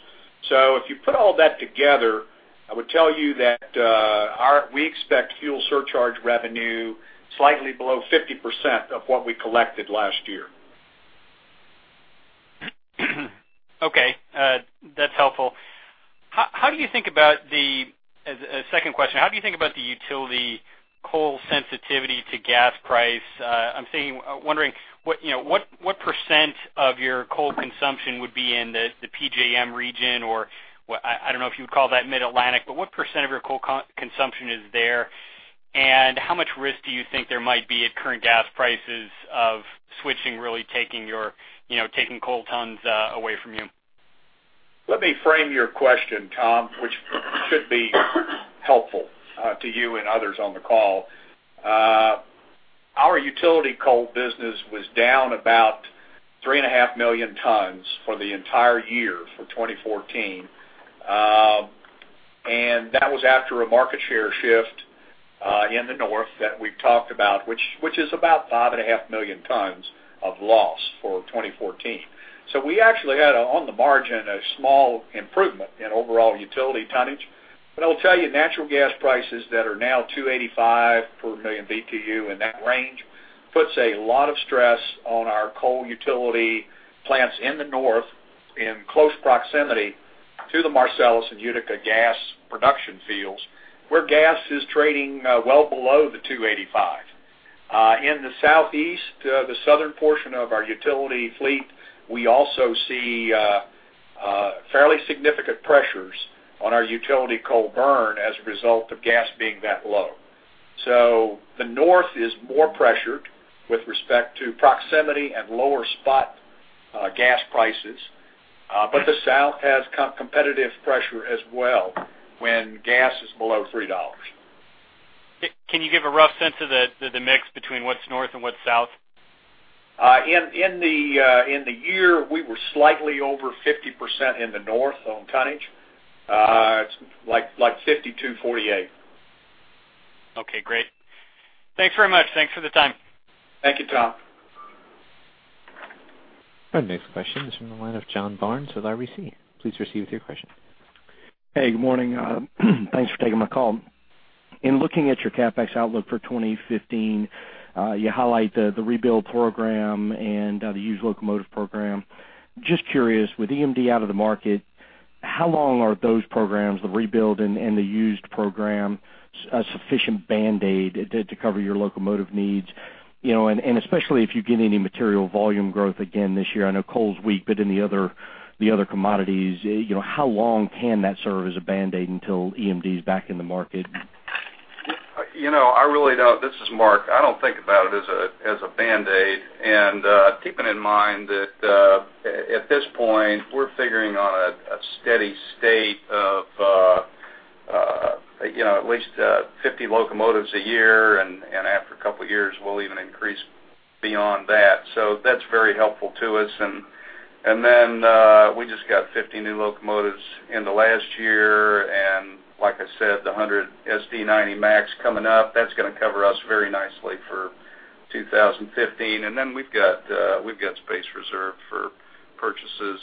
So if you put all that together, I would tell you that our we expect fuel surcharge revenue slightly below 50% of what we collected last year. Okay, that's helpful. As a second question, how do you think about the utility coal sensitivity to gas price? I'm thinking, wondering, what % of your coal consumption would be in the PJM region, or I don't know if you would call that Mid-Atlantic, but what % of your coal consumption is there, and how much risk do you think there might be at current gas prices of switching, really taking your, you know, taking coal tons away from you? Let me frame your question, Tom, which should be helpful to you and others on the call. Our utility coal business was down about 3.5 million tons for the entire year for 2014. And that was after a market share shift in the north that we've talked about, which is about 5.5 million tons of loss for 2014. So we actually had, on the margin, a small improvement in overall utility tonnage. But I'll tell you, natural gas prices that are now $2.85 per million BTU in that range puts a lot of stress on our coal utility plants in the north, in close proximity to the Marcellus and Utica gas production fields, where gas is trading well below the $2.85. In the southeast, the southern portion of our utility fleet, we also see fairly significant pressures on our utility coal burn as a result of gas being that low. So the north is more pressured with respect to proximity and lower spot gas prices, but the south has competitive pressure as well when gas is below $3. Can you give a rough sense of the mix between what's north and what's south? In the year, we were slightly over 50% in the north on tonnage. It's like 52-48. Okay, great. Thanks very much. Thanks for the time. Thank you, Tom. Our next question is from the line of John Barnes with RBC. Please proceed with your question. Hey, good morning. Thanks for taking my call. In looking at your CapEx outlook for 2015, you highlight the rebuild program and the used locomotive program. Just curious, with EMD out of the market, how long are those programs, the rebuild and the used program, a sufficient Band-Aid to cover your locomotive needs? You know, and especially if you get any material volume growth again this year. I know coal's weak, but in the other commodities, you know, how long can that serve as a Band-Aid until EMD's back in the market? You know, I really don't. This is Mark. I don't think about it as a Band-Aid. And keeping in mind that at this point, we're figuring on a steady state of you know, at least 50 locomotives a year, and after a couple years, we'll even increase beyond that. So that's very helpful to us. And then we just got 50 new locomotives in the last year, and like I said, the 100 SD90MACs coming up, that's gonna cover us very nicely for 2015. And then we've got we've got space reserved for purchases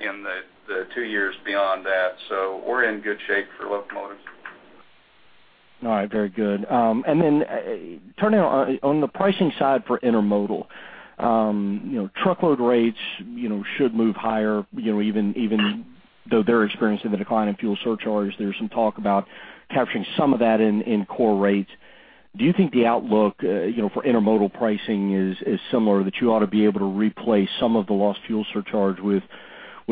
in the two years beyond that. So we're in good shape for locomotives. All right, very good. And then, turning on, on the pricing side for intermodal, you know, truckload rates, you know, should move higher, you know, even though they're experiencing the decline in fuel surcharges, there's some talk about capturing some of that in core rates. Do you think the outlook, you know, for intermodal pricing is similar, that you ought to be able to replace some of the lost fuel surcharge with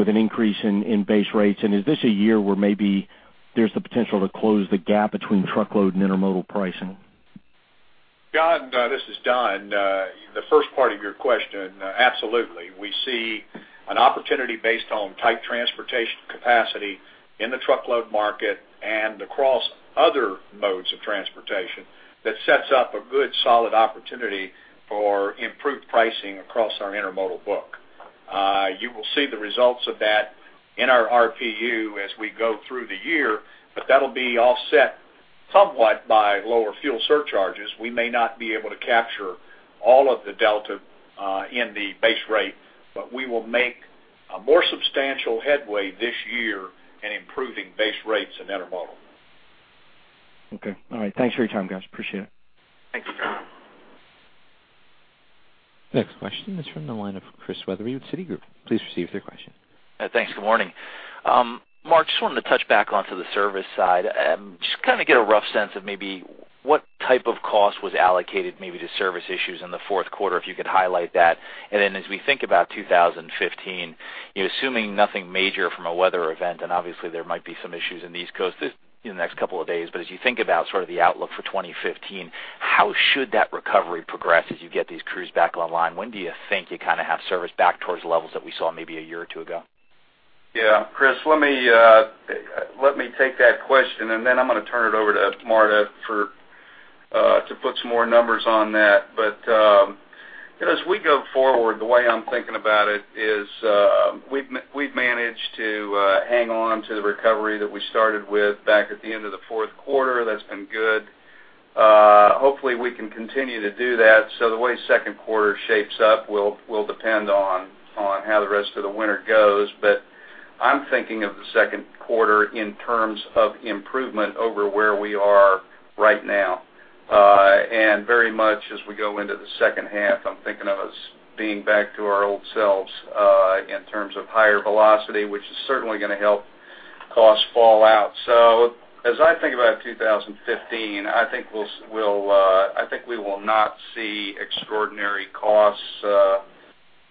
an increase in base rates? And is this a year where maybe there's the potential to close the gap between truckload and intermodal pricing? John, this is Don. The first part of your question, absolutely. We see an opportunity based on tight transportation capacity in the truckload market and across other modes of transportation, that sets up a good, solid opportunity for improved pricing across our intermodal book. You will see the results of that in our RPU as we go through the year, but that'll be offset somewhat by lower fuel surcharges. We may not be able to capture all of the delta in the base rate, but we will make a more substantial headway this year in improving base rates in intermodal. Okay. All right. Thanks for your time, guys. Appreciate it. Thanks, John. Next question is from the line of Christian Wetherbee with Citigroup. Please proceed with your question. Thanks. Good morning. Mark, just wanted to touch back onto the service side. Just kind of get a rough sense of maybe what type of cost was allocated maybe to service issues in the fourth quarter, if you could highlight that. And then as we think about 2015, you know, assuming nothing major from a weather event, and obviously there might be some issues in the East Coast in the next couple of days, but as you think about sort of the outlook for 2015, how should that recovery progress as you get these crews back online? When do you think you kind of have service back towards the levels that we saw maybe a year or two ago? Yeah, Chris, let me take that question, and then I'm gonna turn it over to Marta for to put some more numbers on that. But you know, as we go forward, the way I'm thinking about it is we've managed to hang on to the recovery that we started with back at the end of the fourth quarter. That's been good. Hopefully, we can continue to do that. So the way second quarter shapes up will depend on how the rest of the winter goes. But I'm thinking of the second quarter in terms of improvement over where we are right now. And very much as we go into the second half, I'm thinking of us being back to our old selves in terms of higher velocity, which is certainly gonna help costs fall out. So as I think about 2015, I think we'll, I think we will not see extraordinary costs,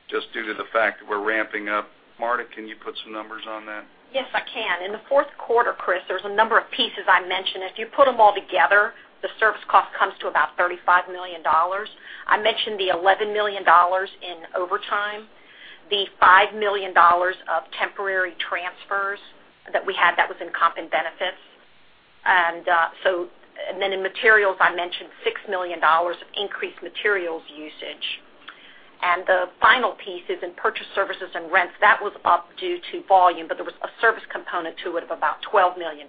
just due to the fact that we're ramping up. Marta, can you put some numbers on that? Yes, I can. In the fourth quarter, Chris, there's a number of pieces I mentioned. If you put them all together, the service cost comes to about $35 million. I mentioned the $11 million in overtime, the $5 million of temporary transfers that we had, that was in comp and benefits. And, so, and then in materials, I mentioned $6 million of increased materials usage. And the final piece is in purchased services and rents. That was up due to volume, but there was a service component to it of about $12 million.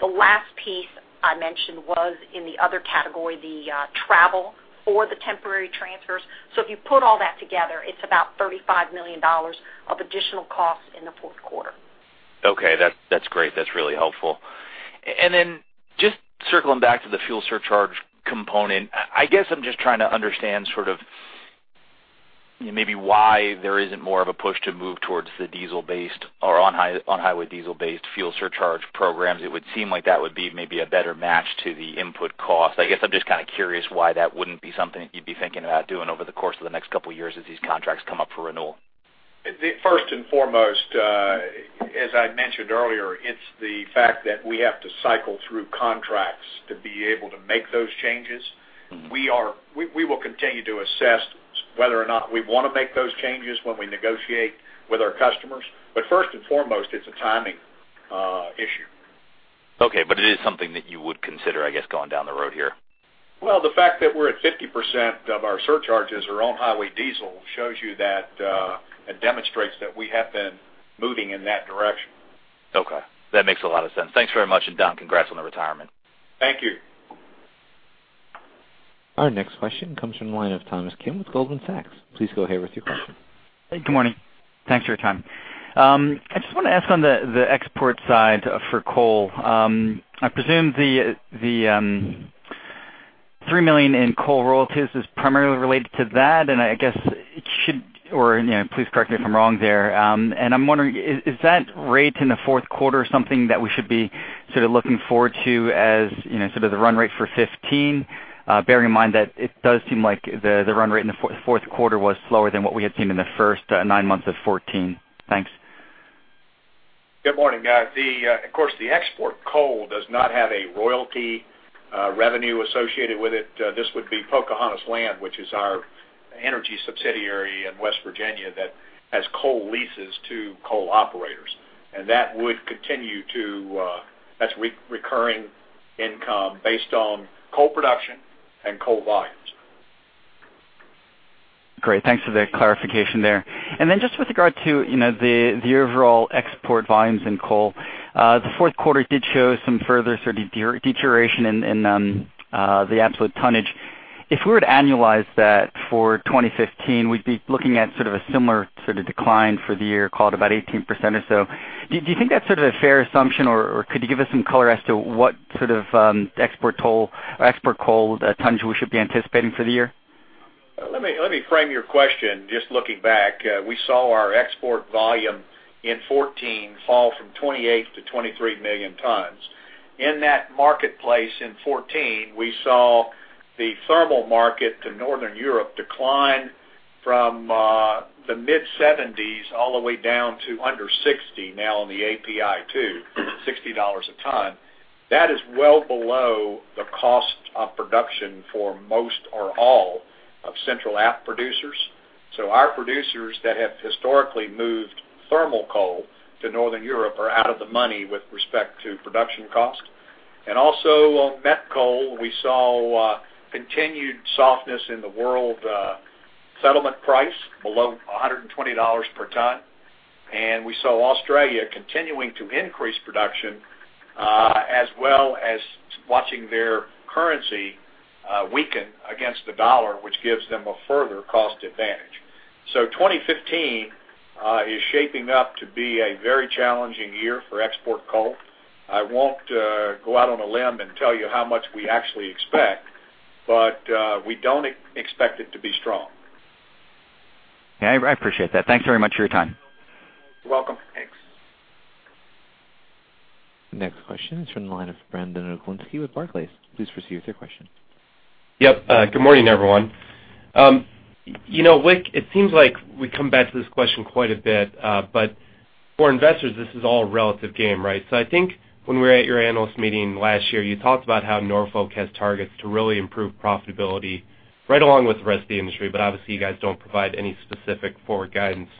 The last piece I mentioned was in the other category, the travel or the temporary transfers. So if you put all that together, it's about $35 million of additional costs in the fourth quarter. Okay, that's, that's great. That's really helpful. And then just circling back to the fuel surcharge component, I guess I'm just trying to understand sort of, maybe why there isn't more of a push to move towards the diesel-based or on high- on-highway diesel-based fuel surcharge programs. It would seem like that would be maybe a better match to the input cost. I guess I'm just kind of curious why that wouldn't be something that you'd be thinking about doing over the course of the next couple of years as these contracts come up for renewal. First and foremost, as I mentioned earlier, it's the fact that we have to cycle through contracts to be able to make those changes. Mm-hmm. We will continue to assess whether or not we want to make those changes when we negotiate with our customers. But first and foremost, it's a timing issue. Okay, but it is something that you would consider, I guess, going down the road here? Well, the fact that we're at 50% of our surcharges are on-highway diesel shows you that it demonstrates that we have been moving in that direction. Okay. That makes a lot of sense. Thanks very much, and Don, congrats on the retirement. Thank you. Our next question comes from the line of Thomas Kim with Goldman Sachs. Please go ahead with your question. Good morning. Thanks for your time. I just wanna ask on the export side for coal. I presume the $3 million in coal royalties is primarily related to that, and I guess it should, or, you know, please correct me if I'm wrong there. And I'm wondering, is that rate in the fourth quarter something that we should be sort of looking forward to as, you know, sort of the run rate for 2015? Bearing in mind that it does seem like the run rate in the fourth quarter was slower than what we had seen in the first nine months of 2014. Thanks. Good morning, guys. Of course, the export coal does not have a royalty revenue associated with it. This would be Pocahontas Land, which is our energy subsidiary in West Virginia, that has coal leases to coal operators. And that would continue to, that's recurring income based on coal production and coal volumes. Great, thanks for the clarification there. And then just with regard to, you know, the overall export volumes in coal, the fourth quarter did show some further sort of deterioration in the absolute tonnage. If we were to annualize that for 2015, we'd be looking at sort of a similar sort of decline for the year, call it about 18% or so. Do you think that's sort of a fair assumption, or could you give us some color as to what sort of export ton or export coal tonnage we should be anticipating for the year? Let me frame your question, just looking back. We saw our export volume in 2014 fall from 28 to 23 million tons. In that marketplace in 2014, we saw the thermal market to Northern Europe decline from the mid-70s all the way down to under 60 now on the API2, $60 a ton. That is well below the cost of production for most or all of Central App producers. So our producers that have historically moved thermal coal to Northern Europe are out of the money with respect to production cost. And also on met coal, we saw continued softness in the world settlement price below $120 per ton. And we saw Australia continuing to increase production, as well as watching their currency weaken against the dollar, which gives them a further cost advantage. So 2015 is shaping up to be a very challenging year for export coal. I won't go out on a limb and tell you how much we actually expect, but we don't expect it to be strong. Yeah, I appreciate that. Thanks very much for your time. You're welcome. Thanks. Next question is from the line of Brandon Oglenski with Barclays. Please proceed with your question. Yep, good morning, everyone. You know, Wick, it seems like we come back to this question quite a bit, but for investors, this is all a relative game, right? So I think when we were at your analyst meeting last year, you talked about how Norfolk has targets to really improve profitability right along with the rest of the industry, but obviously, you guys don't provide any specific forward guidance.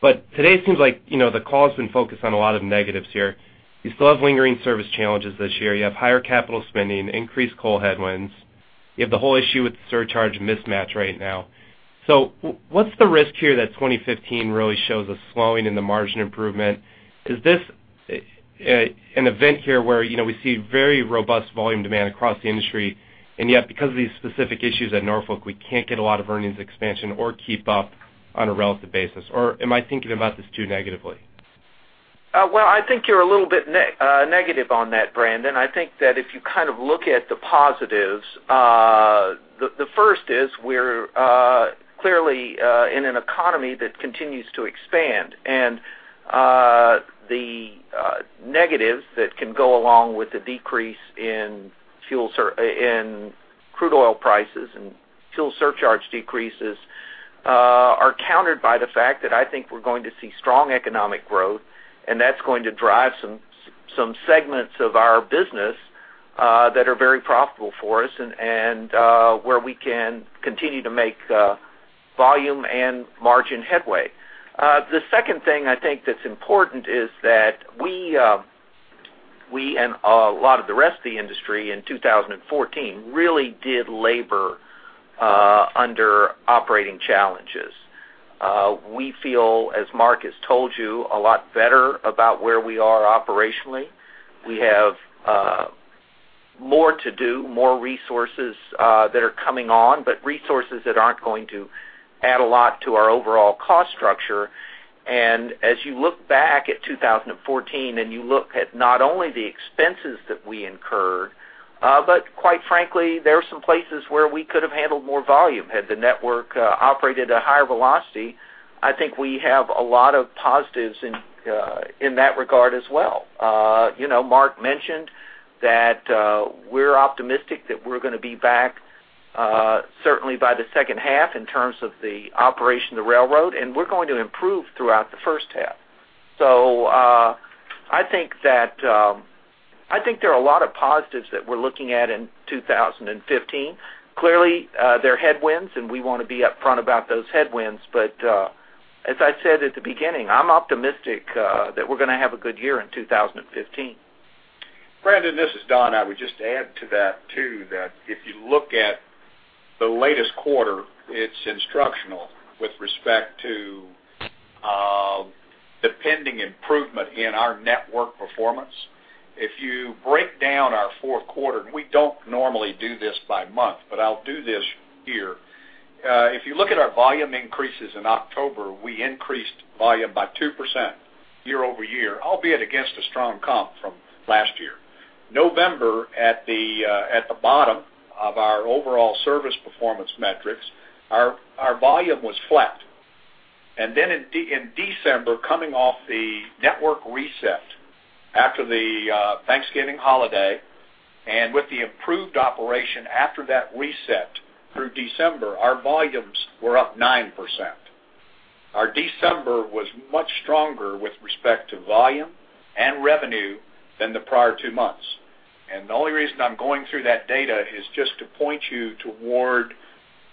But today, it seems like, you know, the call has been focused on a lot of negatives here. You still have lingering service challenges this year. You have higher capital spending, increased coal headwinds. You have the whole issue with the surcharge mismatch right now. So what's the risk here that 2015 really shows a slowing in the margin improvement? Is this, an event here where, you know, we see very robust volume demand across the industry, and yet, because of these specific issues at Norfolk, we can't get a lot of earnings expansion or keep up on a relative basis? Or am I thinking about this too negatively? Well, I think you're a little bit negative on that, Brandon. I think that if you kind of look at the positives, the first is, we're clearly in an economy that continues to expand, and the negatives that can go along with the decrease in fuel surcharge in crude oil prices and fuel surcharge decreases are countered by the fact that I think we're going to see strong economic growth, and that's going to drive some, some segments of our business that are very profitable for us and where we can continue to make volume and margin headway. The second thing I think that's important is that we and a lot of the rest of the industry in 2014 really did labor under operating challenges. We feel, as Mark has told you, a lot better about where we are operationally. We have, more to do, more resources, that are coming on, but resources that aren't going to add a lot to our overall cost structure. And as you look back at 2014, and you look at not only the expenses that we incurred, but quite frankly, there are some places where we could have handled more volume had the network, operated at a higher velocity. I think we have a lot of positives in, in that regard as well. You know, Mark mentioned that, we're optimistic that we're gonna be back, certainly by the second half in terms of the operation of the railroad, and we're going to improve throughout the first half. So, I think that, I think there are a lot of positives that we're looking at in 2015. Clearly, there are headwinds, and we wanna be upfront about those headwinds, but, as I said at the beginning, I'm optimistic that we're gonna have a good year in 2015. Brandon, this is Don. I would just add to that, too, that if you look at the latest quarter, it's instructional with respect to the pending improvement in our network performance. If you break down our fourth quarter, and we don't normally do this by month, but I'll do this here. If you look at our volume increases in October, we increased volume by 2% year-over-year, albeit against a strong comp from last year. November, at the bottom of our overall service performance metrics, our volume was flat. And then in December, coming off the network reset after the Thanksgiving holiday, and with the improved operation after that reset through December, our volumes were up 9%. Our December was much stronger with respect to volume and revenue than the prior two months. The only reason I'm going through that data is just to point you toward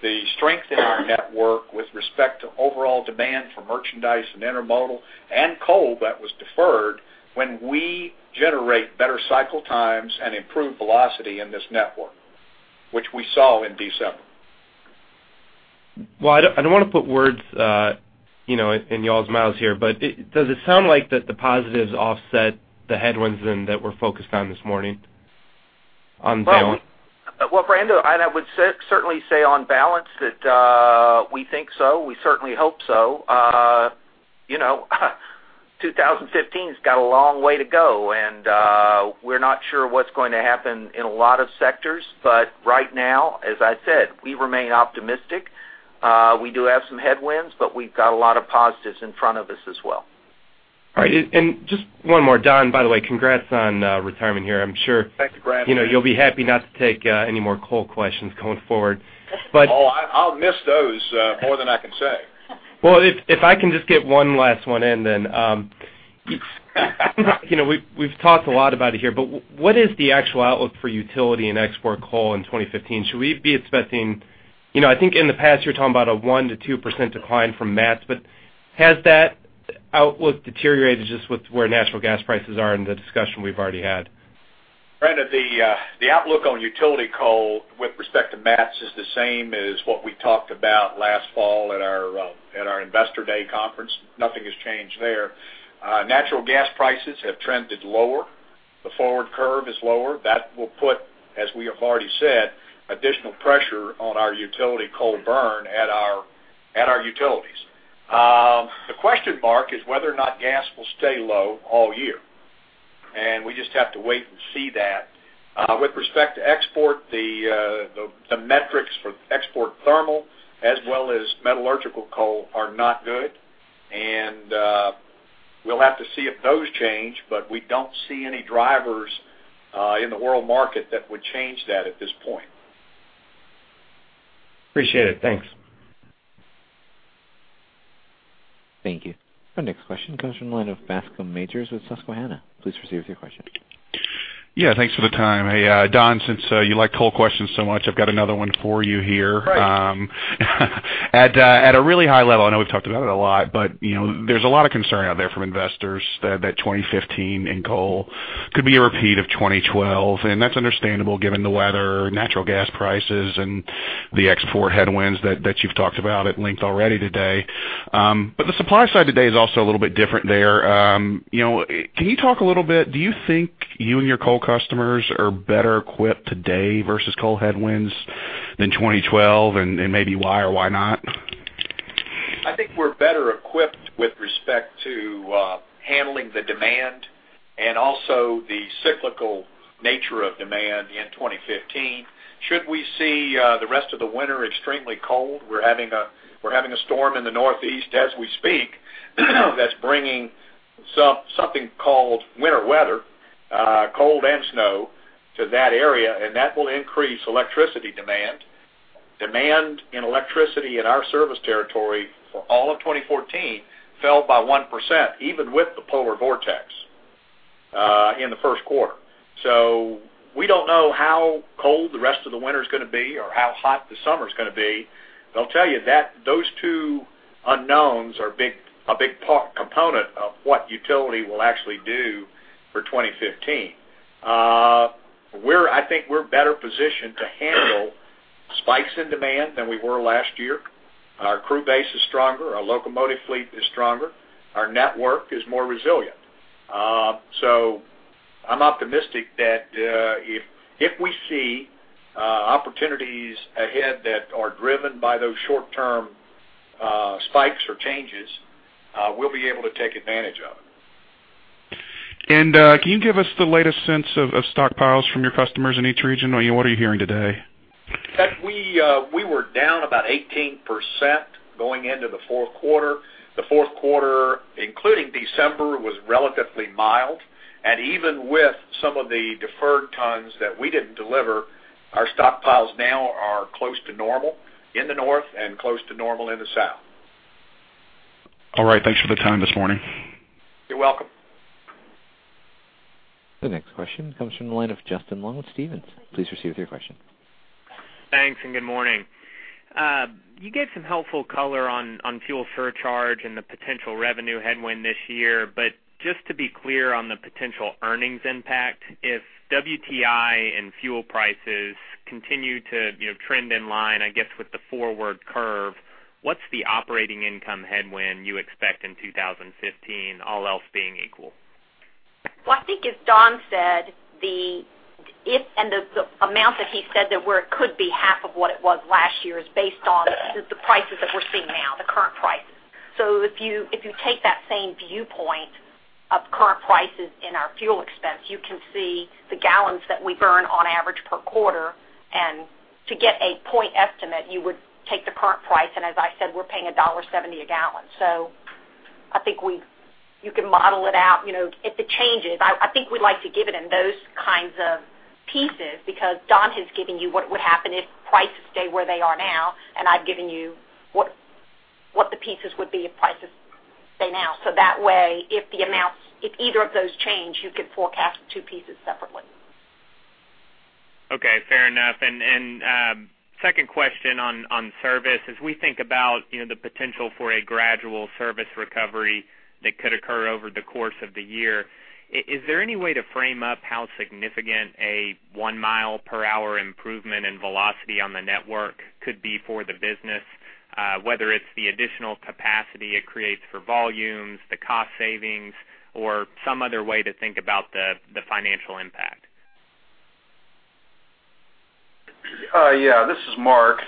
the strength in our network with respect to overall demand for merchandise and intermodal and coal that was deferred when we generate better cycle times and improve velocity in this network, which we saw in December. Well, I don't, I don't wanna put words, you know, in y'all's mouths here, but does it sound like that the positives offset the headwinds then, that we're focused on this morning, on balance? Well, Brandon, I would say, certainly say on balance that, we think so. We certainly hope so. You know, 2015's got a long way to go, and, we're not sure what's going to happen in a lot of sectors. But right now, as I said, we remain optimistic. We do have some headwinds, but we've got a lot of positives in front of us as well. All right. And just one more, Don, by the way, congrats on retirement here. I'm sure- Thank you, Brandon. -you know, you'll be happy not to take any more coal questions going forward. But- Oh, I, I'll miss those, more than I can say. Well, if I can just get one last one in, then you know, we've talked a lot about it here, but what is the actual outlook for utility and export coal in 2015? Should we be expecting you know, I think in the past, you're talking about a 1%-2% decline from MATS, but has that outlook deteriorated just with where natural gas prices are and the discussion we've already had? Brandon, the outlook on utility coal with respect to MATS is the same as what we talked about last fall at our Investor Day conference. Nothing has changed there. Natural gas prices have trended lower. The forward curve is lower. That will put, as we have already said, additional pressure on our utility coal burn at our utilities. The question mark is whether or not gas will stay low all year, and we just have to wait and see that. With respect to export, the metrics for export thermal as well as metallurgical coal are not good, and we'll have to see if those change, but we don't see any drivers in the world market that would change that at this point. Appreciate it. Thanks. Thank you. Our next question comes from the line of Bascom Majors with Susquehanna. Please proceed with your question. Yeah, thanks for the time. Hey, Don, since you like coal questions so much, I've got another one for you here. Great. At a really high level, I know we've talked about it a lot, but, you know, there's a lot of concern out there from investors that 2015 in coal could be a repeat of 2012, and that's understandable given the weather, natural gas prices, and the export headwinds that you've talked about at length already today. But the supply side today is also a little bit different there. You know, can you talk a little bit, do you think you and your coal customers are better equipped today versus coal headwinds than 2012, and maybe why or why not? I think we're better equipped with respect to, handling the demand and also the cyclical nature of demand in 2015. Should we see, the rest of the winter extremely cold, we're having a storm in the Northeast as we speak, that's bringing something called winter weather, cold and snow to that area, and that will increase electricity demand. Demand in electricity in our service territory for all of 2014 fell by 1%, even with the polar vortex, in the first quarter. So we don't know how cold the rest of the winter is gonna be or how hot the summer is gonna be, but I'll tell you that those two unknowns are big, a big part, component of what utility will actually do for 2015. I think we're better positioned to handle spikes in demand than we were last year. Our crew base is stronger, our locomotive fleet is stronger, our network is more resilient. So I'm optimistic that if we see opportunities ahead that are driven by those short-term spikes or changes, we'll be able to take advantage of it. Can you give us the latest sense of stockpiles from your customers in each region? Or what are you hearing today? That we, we were down about 18% going into the fourth quarter. The fourth quarter, including December, was relatively mild, and even with some of the deferred tons that we didn't deliver, our stockpiles now are close to normal in the North and close to normal in the South. All right. Thanks for the time this morning. You're welcome. The next question comes from the line of Justin Long with Stephens. Please proceed with your question. Thanks, and good morning. You gave some helpful color on fuel surcharge and the potential revenue headwind this year. But just to be clear on the potential earnings impact, if WTI and fuel prices continue to, you know, trend in line, I guess, with the forward curve, what's the operating income headwind you expect in 2015, all else being equal? Well, I think as Don said, the amount that he said that where it could be half of what it was last year is based on the prices that we're seeing now, the current prices. So if you take that same viewpoint of current prices in our fuel expense, you can see the gallons that we burn on average per quarter. And to get a point estimate, you would take the current price, and as I said, we're paying $1.70 a gallon. So I think you can model it out, you know, if it changes. I think we like to give it in those kinds of pieces because Don has given you what would happen if prices stay where they are now, and I've given you what the pieces would be if prices stay now. That way, if the amounts, if either of those change, you can forecast the two pieces separately. Okay, fair enough. And, and, second question on, on service. As we think about, you know, the potential for a gradual service recovery that could occur over the course of the year, is there any way to frame up how significant a one mile per hour improvement in velocity on the network could be for the business? Whether it's the additional capacity it creates for volumes, the cost savings, or some other way to think about the, the financial impact? Yeah, this is Mark.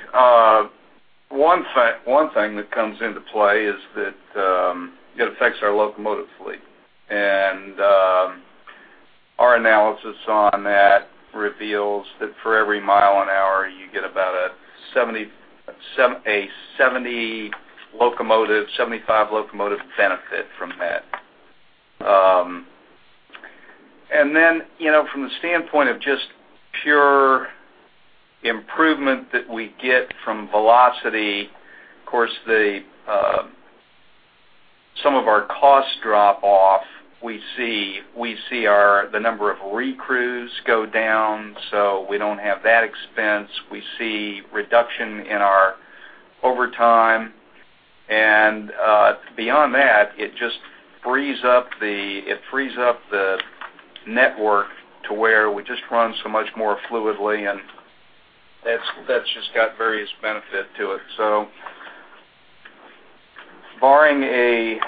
One thing that comes into play is that, it affects our locomotive fleet. Our analysis on that reveals that for every mile an hour, you get about a 70-75 locomotive benefit from that. And then, you know, from the standpoint of just pure improvement that we get from velocity, of course, some of our costs drop off. We see the number of recrews go down, so we don't have that expense. We see reduction in our overtime, and beyond that, it just frees up the network to where we just run so much more fluidly, and that's just got various benefit to it. So barring an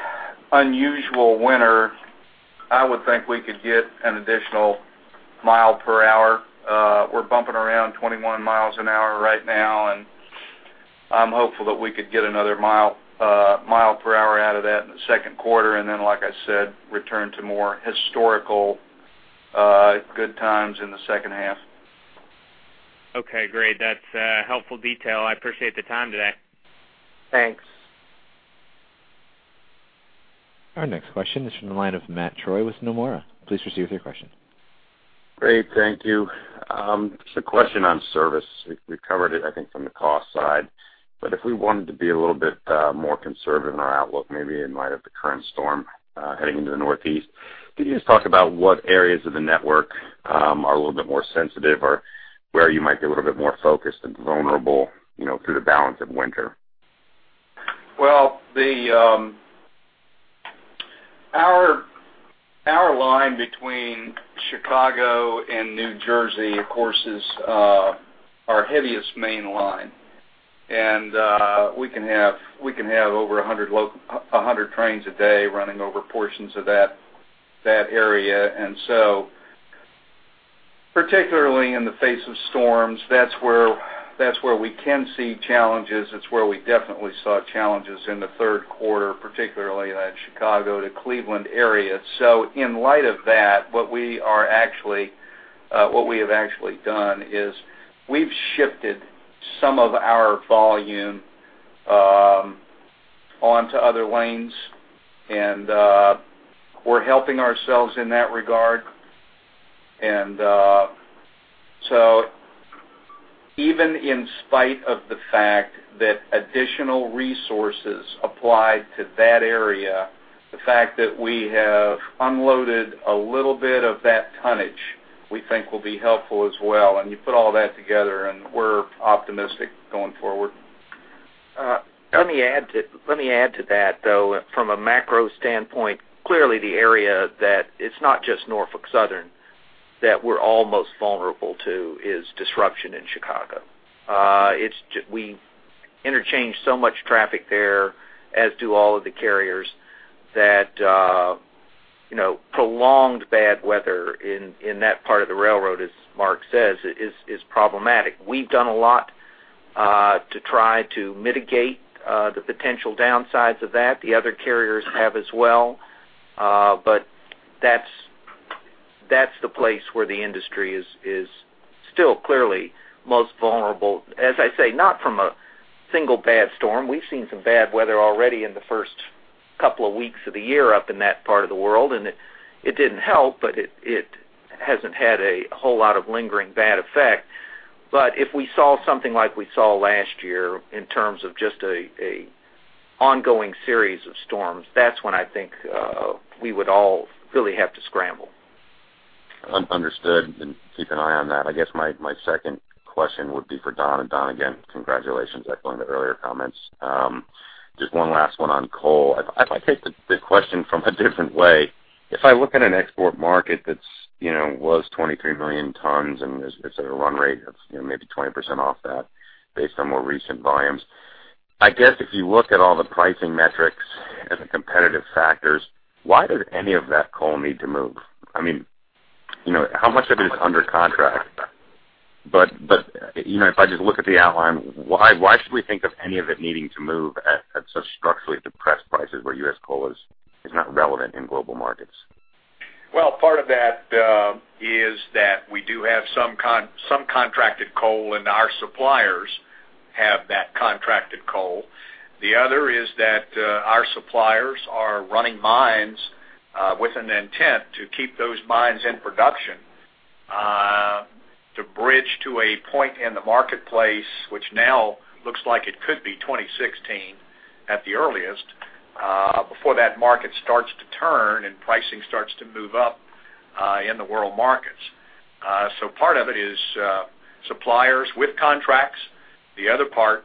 unusual winter, I would think we could get an additional mile per hour. We're bumping around 21 miles an hour right now, and I'm hopeful that we could get another mile per hour out of that in the second quarter, and then, like I said, return to more historical good times in the second half. Okay, great. That's helpful detail. I appreciate the time today. Thanks. Our next question is from the line of Matt Troy with Nomura. Please proceed with your question. Great, thank you. Just a question on service. We've covered it, I think, from the cost side, but if we wanted to be a little bit more conservative in our outlook, maybe in light of the current storm heading into the Northeast, could you just talk about what areas of the network are a little bit more sensitive or where you might be a little bit more focused and vulnerable, you know, through the balance of winter? Well, our line between Chicago and New Jersey, of course, is our heaviest main line. And we can have over 100 trains a day running over portions of that area. And so, particularly in the face of storms, that's where we can see challenges. It's where we definitely saw challenges in the third quarter, particularly in that Chicago to Cleveland area. So in light of that, what we are actually, what we have actually done is we've shifted some of our volume onto other lanes, and we're helping ourselves in that regard. So even in spite of the fact that additional resources applied to that area, the fact that we have unloaded a little bit of that tonnage we think will be helpful as well, and you put all that together, and we're optimistic going forward. Let me add to, let me add to that, though, from a macro standpoint, clearly, the area that it's not just Norfolk Southern, that we're all most vulnerable to is disruption in Chicago. It's just—we interchange so much traffic there, as do all of the carriers that, you know, prolonged bad weather in that part of the railroad, as Mark says, is problematic. We've done a lot to try to mitigate the potential downsides of that. The other carriers have as well. But that's the place where the industry is still clearly most vulnerable. As I say, not from a single bad storm. We've seen some bad weather already in the first couple of weeks of the year up in that part of the world, and it, it didn't help, but it, it hasn't had a whole lot of lingering bad effect. But if we saw something like we saw last year in terms of just a ongoing series of storms, that's when I think we would all really have to scramble. Understood, and keep an eye on that. I guess my second question would be for Don, and Don, again, congratulations, echoing the earlier comments. Just one last one on coal. If I take the question from a different way, if I look at an export market that's, you know, was 23 million tons, and it's at a run rate that's, you know, maybe 20% off that based on more recent volumes, I guess if you look at all the pricing metrics and the competitive factors, why does any of that coal need to move? I mean, you know, how much of it is under contract? But, you know, if I just look at the outline, why should we think of any of it needing to move at such structurally depressed prices where U.S. coal is not relevant in global markets? Well, part of that is that we do have some contracted coal, and our suppliers have that contracted coal. The other is that our suppliers are running mines with an intent to keep those mines in production to bridge to a point in the marketplace, which now looks like it could be 2016 at the earliest before that market starts to turn and pricing starts to move up in the world markets. So part of it is suppliers with contracts. The other part,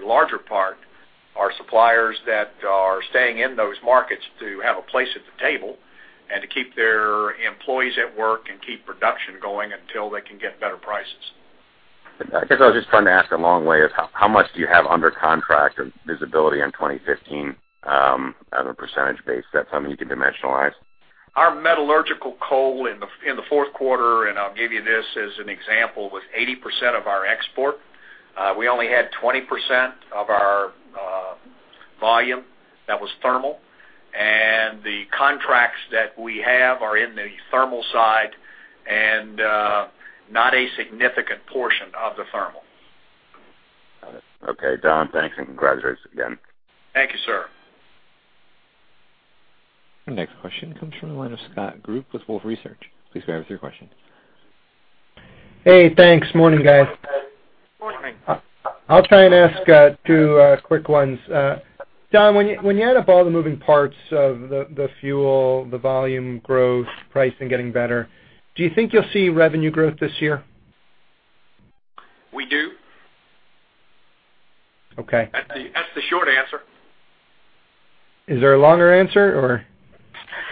a larger part, are suppliers that are staying in those markets to have a place at the table and to keep their employees at work and keep production going until they can get better prices. I guess I was just trying to ask a long way is, how much do you have under contract or visibility in 2015, on a percentage base? Is that something you can dimensionalize? Our metallurgical coal in the fourth quarter, and I'll give you this as an example, was 80% of our export. We only had 20% of our volume that was thermal, and the contracts that we have are in the thermal side, and not a significant portion of the thermal. Got it. Okay, Don, thanks, and congratulations again. Thank you, sir. The next question comes from the line of Scott Group with Wolfe Research. Please go ahead with your question. Hey, thanks. Morning, guys. Morning. I'll try and ask two quick ones. Don, when you add up all the moving parts of the fuel, the volume growth, pricing getting better, do you think you'll see revenue growth this year? We do. Okay. That's the short answer. Is there a longer answer, or?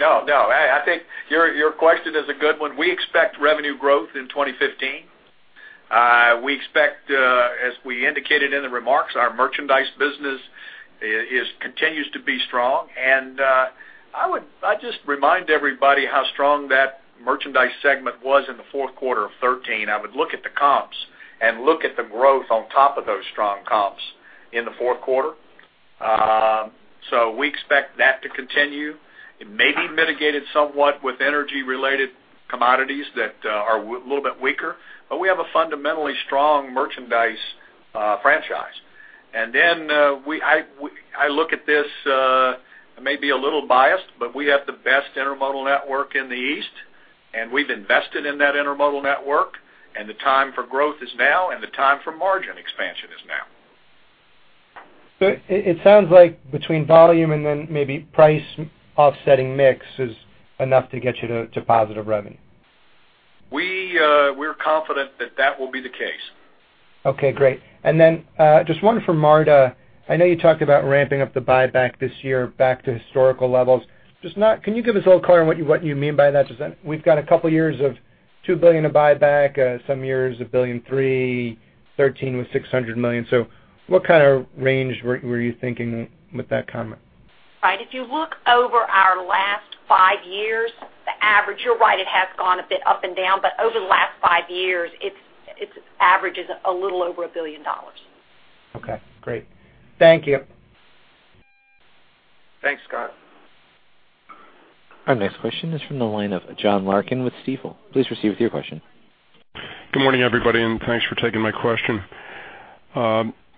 No, no. I, I think your, your question is a good one. We expect revenue growth in 2015. We expect, as we indicated in the remarks, our merchandise business is, continues to be strong, and I would—I'd just remind everybody how strong that merchandise segment was in the fourth quarter of 2013. I would look at the comps and look at the growth on top of those strong comps in the fourth quarter. So we expect that to continue. It may be mitigated somewhat with energy-related commodities that are a little bit weaker, but we have a fundamentally strong merchandise franchise. And then we look at this, maybe a little biased, but we have the best intermodal network in the East, and we've invested in that intermodal network, and the time for growth is now, and the time for margin expansion is now. So it sounds like between volume and then maybe price offsetting mix is enough to get you to positive revenue. We, we're confident that that will be the case. Okay, great. And then, just one for Marta. I know you talked about ramping up the buyback this year back to historical levels. Just—can you give us a little color on what you mean by that? Just that we've got a couple of years of $2 billion of buyback, some years, $1.3 billion, 2013 was $600 million. So what kind of range were you thinking with that comment? Right. If you look over our last five years, the average you're right, it has gone a bit up and down, but over the last five years, its average is a little over $1 billion. Okay, great. Thank you. Thanks, Scott. Our next question is from the line of John Larkin with Stifel. Please proceed with your question. Good morning, everybody, and thanks for taking my question.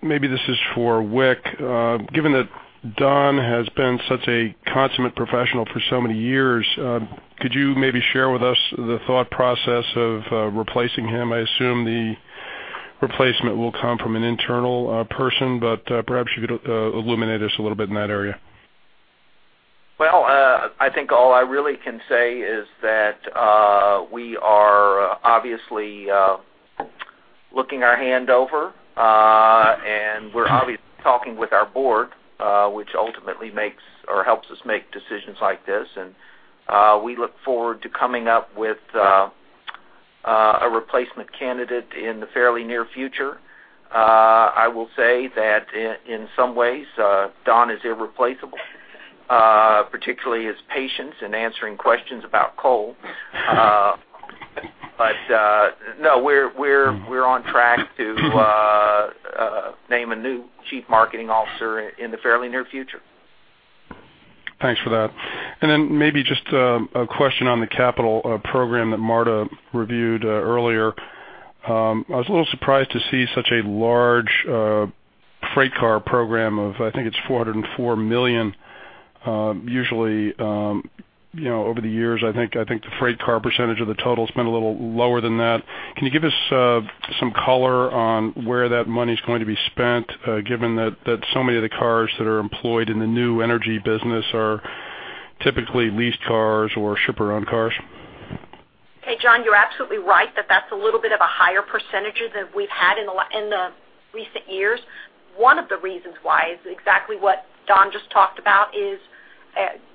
Maybe this is for Wick. Given that Don has been such a consummate professional for so many years, could you maybe share with us the thought process of replacing him? I assume the replacement will come from an internal person, but perhaps you could illuminate us a little bit in that area. Well, I think all I really can say is that we are obviously looking our hand over, and we're obviously talking with our board, which ultimately makes or helps us make decisions like this. And we look forward to coming up with a replacement candidate in the fairly near future. I will say that in some ways, Don is irreplaceable, particularly his patience in answering questions about coal. But no, we're on track to name a new Chief Marketing Officer in the fairly near future. Thanks for that. And then maybe just a question on the capital program that Marta reviewed earlier. I was a little surprised to see such a large freight car program of, I think it's $404 million. Usually, you know, over the years, I think, I think the freight car percentage of the total has been a little lower than that. Can you give us some color on where that money's going to be spent, given that so many of the cars that are employed in the new energy business are typically leased cars or shipper-owned cars? Hey, John, you're absolutely right that that's a little bit of a higher percentage than we've had in the recent years. One of the reasons why is exactly what Don just talked about,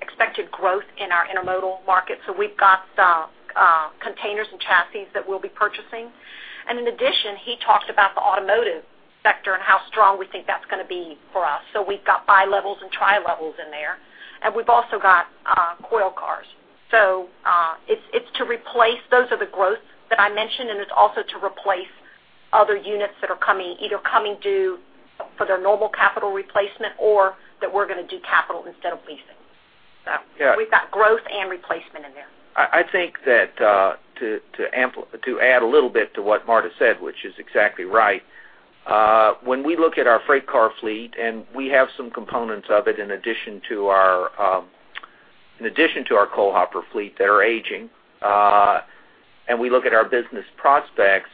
expected growth in our intermodal market. So we've got some containers and chassis that we'll be purchasing. And in addition, he talked about the automotive sector and how strong we think that's gonna be for us. So we've got bi-levels and tri-levels in there, and we've also got coil cars. So it's to replace- those are the growth that I mentioned, and it's also to replace other units that are coming due for their normal capital replacement or that we're gonna do capital instead of leasing. So- Yeah. We've got growth and replacement in there. I think that to add a little bit to what Marta said, which is exactly right. When we look at our freight car fleet, and we have some components of it in addition to our coal hopper fleet that are aging, and we look at our business prospects,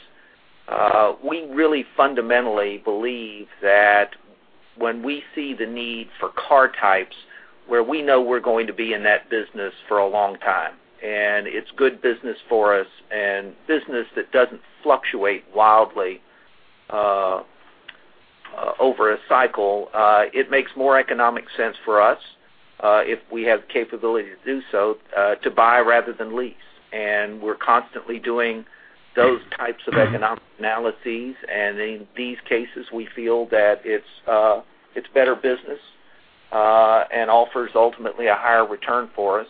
we really fundamentally believe that when we see the need for car types, where we know we're going to be in that business for a long time, and it's good business for us and business that doesn't fluctuate wildly over a cycle, it makes more economic sense for us, if we have the capability to do so, to buy rather than lease. And we're constantly doing those types of economic analyses. In these cases, we feel that it's better business and offers ultimately a higher return for us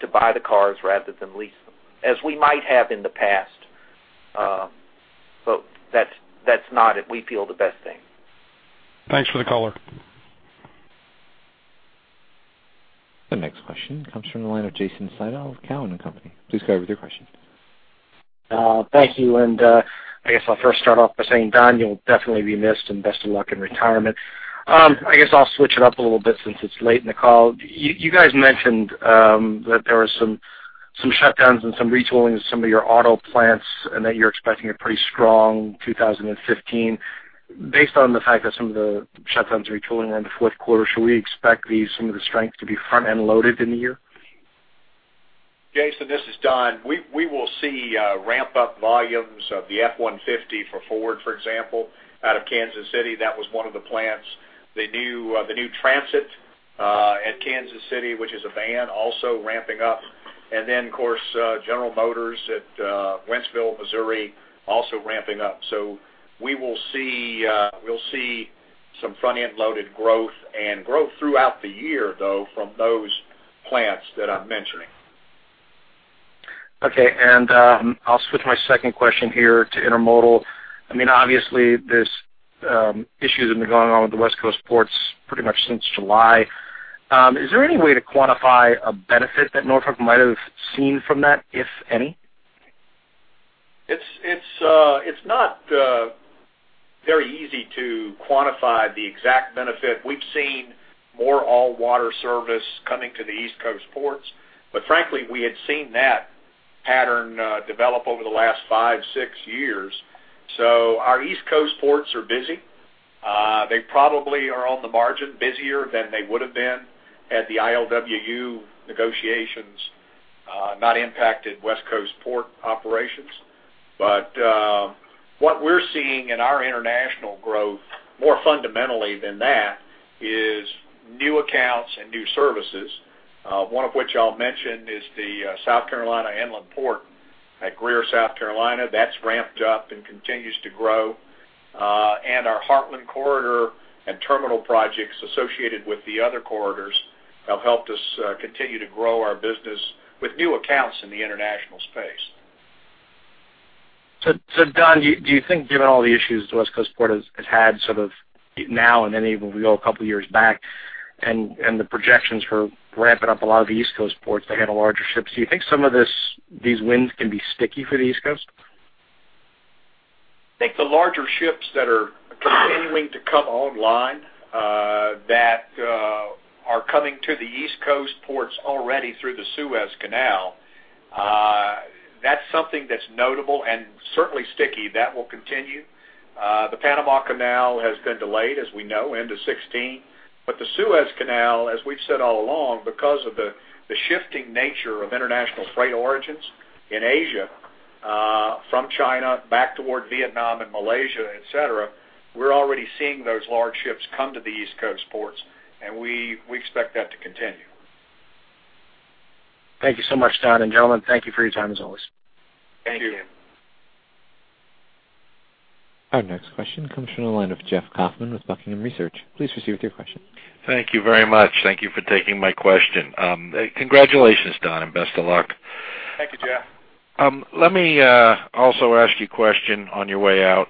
to buy the cars rather than lease them, as we might have in the past. But that's not, we feel, the best thing. Thanks for the color. The next question comes from the line of Jason Seidl of Cowen and Company. Please go ahead with your question. Thank you, and, I guess I'll first start off by saying, Don, you'll definitely be missed, and best of luck in retirement. I guess I'll switch it up a little bit since it's late in the call. You guys mentioned that there were some shutdowns and some retooling of some of your auto plants and that you're expecting a pretty strong 2015. Based on the fact that some of the shutdowns retooling are in the fourth quarter, should we expect some of the strength to be front-end loaded in the year? Jason, this is Don. We will see ramp-up volumes of the F-150 for Ford, for example, out of Kansas City. That was one of the plants. The new Transit at Kansas City, which is a van, also ramping up. And then, of course, General Motors at Wentzville, Missouri, also ramping up. So we will see some front-end-loaded growth and growth throughout the year, though, from those plants that I'm mentioning. Okay. I'll switch my second question here to Intermodal. I mean, obviously, this issue has been going on with the West Coast ports pretty much since July. Is there any way to quantify a benefit that Norfolk might have seen from that, if any? It's not very easy to quantify the exact benefit. We've seen more all-water service coming to the East Coast ports, but frankly, we had seen that pattern develop over the last five, six years. So our East Coast ports are busy. They probably are on the margin, busier than they would have been had the ILWU negotiations not impacted West Coast port operations. But what we're seeing in our international growth, more fundamentally than that, is new accounts and new services, one of which I'll mention is the South Carolina Inland Port at Greer, South Carolina. That's ramped up and continues to grow. And our Heartland Corridor and terminal projects associated with the other corridors have helped us continue to grow our business with new accounts in the international space. So, Don, do you think, given all the issues the West Coast ports have had, sort of now and then even if we go a couple of years back, and the projections for ramping up a lot of the East Coast ports, they had a larger ship. Do you think some of these wins can be sticky for the East Coast? I think the larger ships that are continuing to come online, that are coming to the East Coast ports already through the Suez Canal. That's something that's notable and certainly sticky. That will continue. The Panama Canal has been delayed, as we know, into 2016. But the Suez Canal, as we've said all along, because of the shifting nature of international freight origins in Asia, from China back toward Vietnam and Malaysia, et cetera, we're already seeing those large ships come to the East Coast ports, and we expect that to continue. Thank you so much, Don, and gentlemen. Thank you for your time, as always. Thank you. Our next question comes from the line of Jeffrey Kauffman with Buckingham Research Group. Please proceed with your question. Thank you very much. Thank you for taking my question. Congratulations, Don, and best of luck. Thank you, Jeff. Let me also ask you a question on your way out.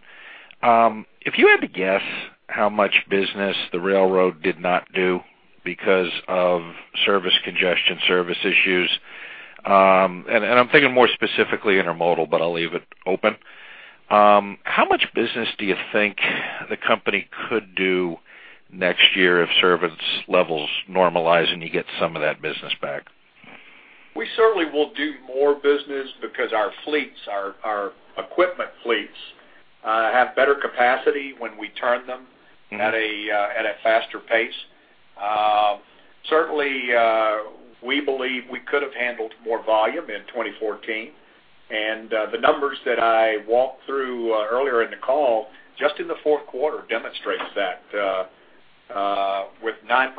If you had to guess how much business the railroad did not do because of service congestion, service issues, and I'm thinking more specifically intermodal, but I'll leave it open. How much business do you think the company could do next year if service levels normalize and you get some of that business back? We certainly will do more business because our fleets, our equipment fleets, have better capacity when we turn them- Mm-hmm. at a faster pace. Certainly, we believe we could have handled more volume in 2014, and the numbers that I walked through earlier in the call, just in the fourth quarter, demonstrates that, with 9%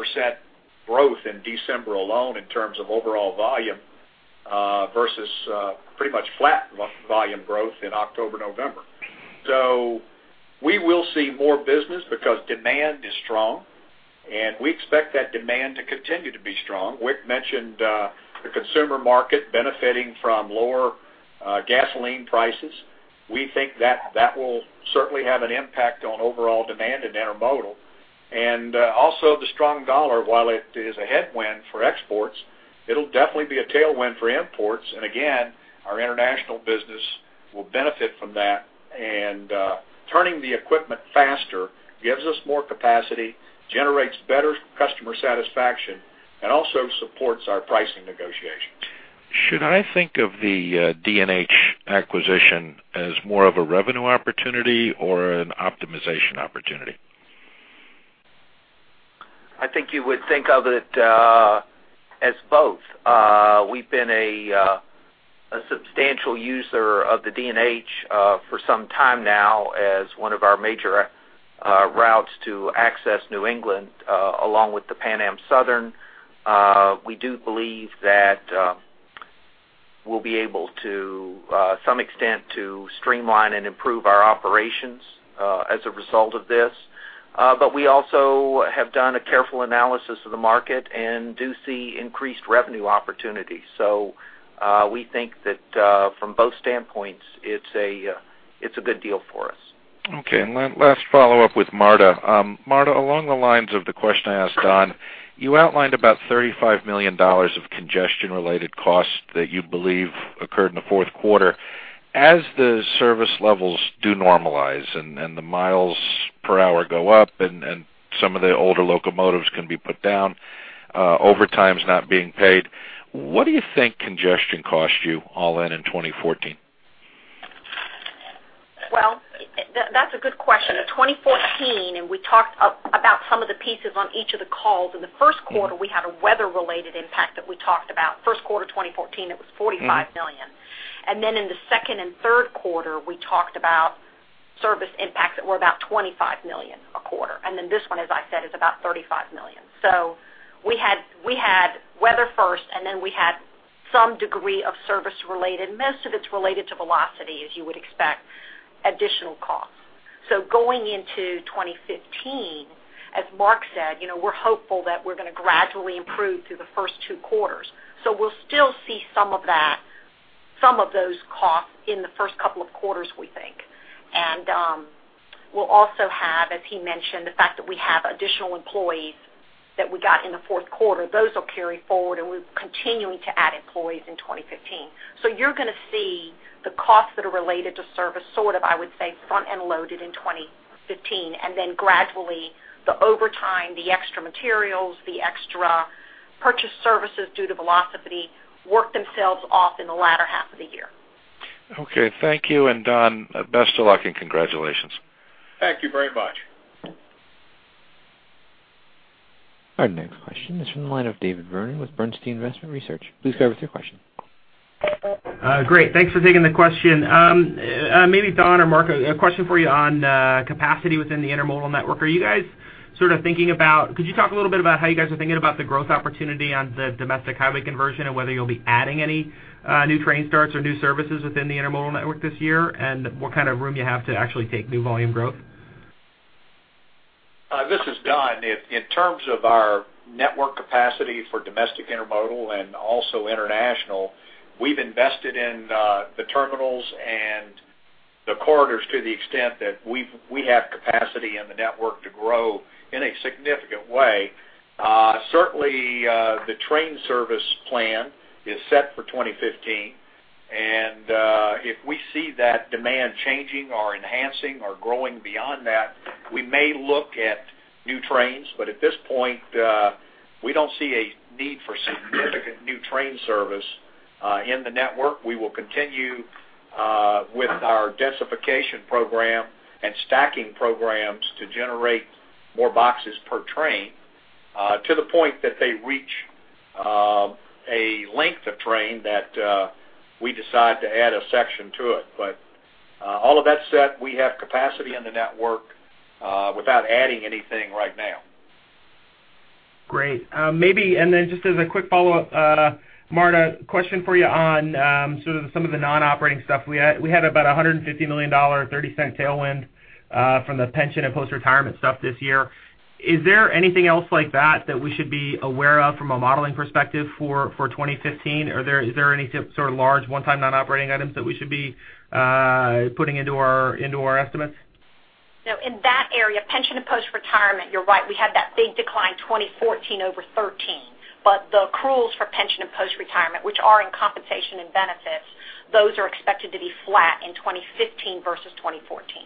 growth in December alone, in terms of overall volume, versus pretty much flat volume growth in October, November. So we will see more business because demand is strong, and we expect that demand to continue to be strong. Wick mentioned the consumer market benefiting from lower gasoline prices. We think that that will certainly have an impact on overall demand in Intermodal. And also, the strong US dollar, while it is a headwind for exports, it'll definitely be a tailwind for imports. And again, our international business will benefit from that, and turning the equipment faster gives us more capacity, generates better customer satisfaction, and also supports our pricing negotiations. Should I think of the D&H acquisition as more of a revenue opportunity or an optimization opportunity? I think you would think of it as both. We've been a substantial user of the D&H for some time now as one of our major routes to access New England along with the Pan Am Southern. We do believe that we'll be able to, to some extent, streamline and improve our operations as a result of this. But we also have done a careful analysis of the market and do see increased revenue opportunities. So we think that from both standpoints it's a good deal for us. Okay, and then last follow-up with Marta. Marta, along the lines of the question I asked Don, you outlined about $35 million of congestion-related costs that you believe occurred in the fourth quarter. As the service levels do normalize and the miles per hour go up, and some of the older locomotives can be put down, overtime's not being paid, what do you think congestion cost you all in 2014? Well, that's a good question. In 2014, and we talked about some of the pieces on each of the calls. In the first quarter, we had a weather-related impact that we talked about. First quarter, 2014, it was $45 million. Mm-hmm. And then in the second and third quarter, we talked about service impacts that were about $25 million a quarter. And then this one, as I said, is about $35 million. So we had, we had weather first, and then we had some degree of service related, most of it's related to velocity, as you would expect, additional costs. So going into 2015, as Mark said, you know, we're hopeful that we're gonna gradually improve through the first two quarters. So we'll still see some of that, some of those costs in the first couple of quarters, we think. And we'll also have, as he mentioned, the fact that we have additional employees that we got in the fourth quarter. Those will carry forward, and we're continuing to add employees in 2015. So you're gonna see the costs that are related to service, sort of, I would say, front-end loaded in 2015, and then gradually, the overtime, the extra materials, the extra purchased services due to velocity, work themselves off in the latter half of the year. Okay. Thank you, and Don, best of luck and congratulations. Thank you very much. Our next question is from the line of David Vernon with Bernstein Investment Research. Please go with your question. Great, thanks for taking the question. Maybe Don or Mark, a question for you on capacity within the Intermodal network. Could you talk a little bit about how you guys are thinking about the growth opportunity on the domestic highway conversion, and whether you'll be adding any new train starts or new services within the Intermodal network this year, and what kind of room you have to actually take new volume growth? This is Don. In terms of our network capacity for domestic Intermodal and also international, we've invested in the terminals and the corridors to the extent that we have capacity in the network to grow in a significant way. Certainly, the train service plan is set for 2015, and if we see that demand changing or enhancing or growing beyond that, we may look at new trains, but at this point, we don't see a need for significant new train service in the network. We will continue with our densification program and stacking programs to generate more boxes per train to the point that they reach a length of train that we decide to add a section to it. But, all of that said, we have capacity in the network without adding anything right now. Great. Maybe just as a quick follow-up, Marta, question for you on, sort of some of the non-operating stuff. We had, we had about $150 million, $0.30 tailwind from the pension and post-retirement stuff this year. Is there anything else like that that we should be aware of from a modeling perspective for 2015? Are there, is there any sort of large one-time non-operating items that we should be putting into our, into our estimates? No, in that area, pension and post-retirement, you're right, we had that big decline, 2014 over 2013. But the accruals for pension and post-retirement, which are in compensation and benefits, those are expected to be flat in 2015 versus 2014.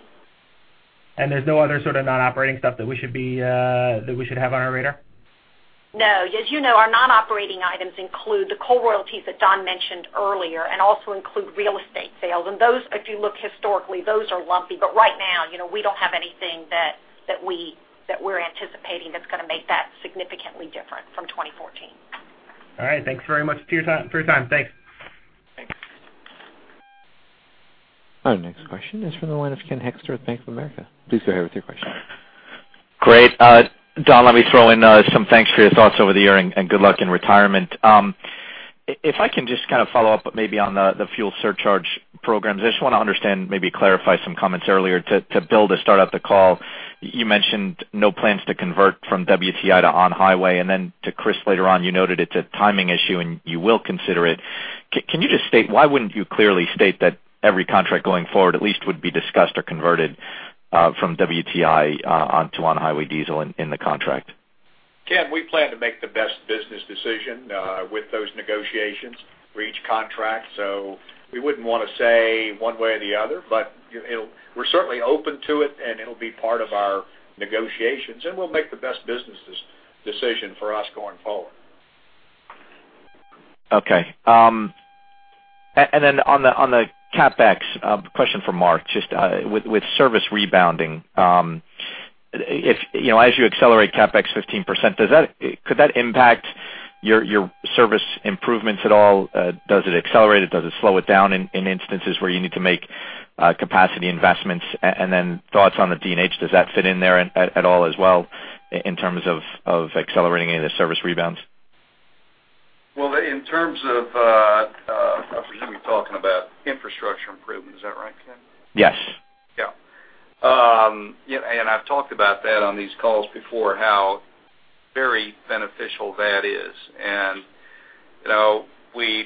And there's no other sort of non-operating stuff that we should have on our radar? No. As you know, our non-operating items include the coal royalties that Don mentioned earlier, and also include real estate sales. And those, if you look historically, those are lumpy. But right now, you know, we don't have anything that we're anticipating that's gonna make that significantly different from 2014. All right. Thanks very much for your time. Thanks. Thanks. Our next question is from the line of Ken Hoexter at Bank of America. Please go ahead with your question. Great. Don, let me throw in, some thanks for your thoughts over the year and good luck in retirement. If I can just kind of follow up, maybe on the fuel surcharge programs. I just want to understand, maybe clarify some comments earlier. To Bill, to start out the call, you mentioned no plans to convert from WTI to on-highway, and then to Chris, later on, you noted it's a timing issue and you will consider it. Can you just state why wouldn't you clearly state that every contract going forward, at least would be discussed or converted, from WTI, onto on-highway diesel in the contract? Ken, we plan to make the best business decision with those negotiations for each contract. So we wouldn't want to say one way or the other, but it'll, we're certainly open to it, and it'll be part of our negotiations, and we'll make the best business decision for us going forward. Okay. And then on the, on the CapEx, question for Mark, just, with, with service rebounding, if, you know, as you accelerate CapEx 15%, does that, could that impact your, your service improvements at all? Does it accelerate it? Does it slow it down in, in instances where you need to make, capacity investments? And then thoughts on the D&H, does that fit in there at, at all as well in terms of, of accelerating any of the service rebounds? Well, in terms of, I presume you're talking about infrastructure improvement. Is that right, Ken? Yes. Yeah. Yeah, and I've talked about that on these calls before, how very beneficial that is. And, you know, we,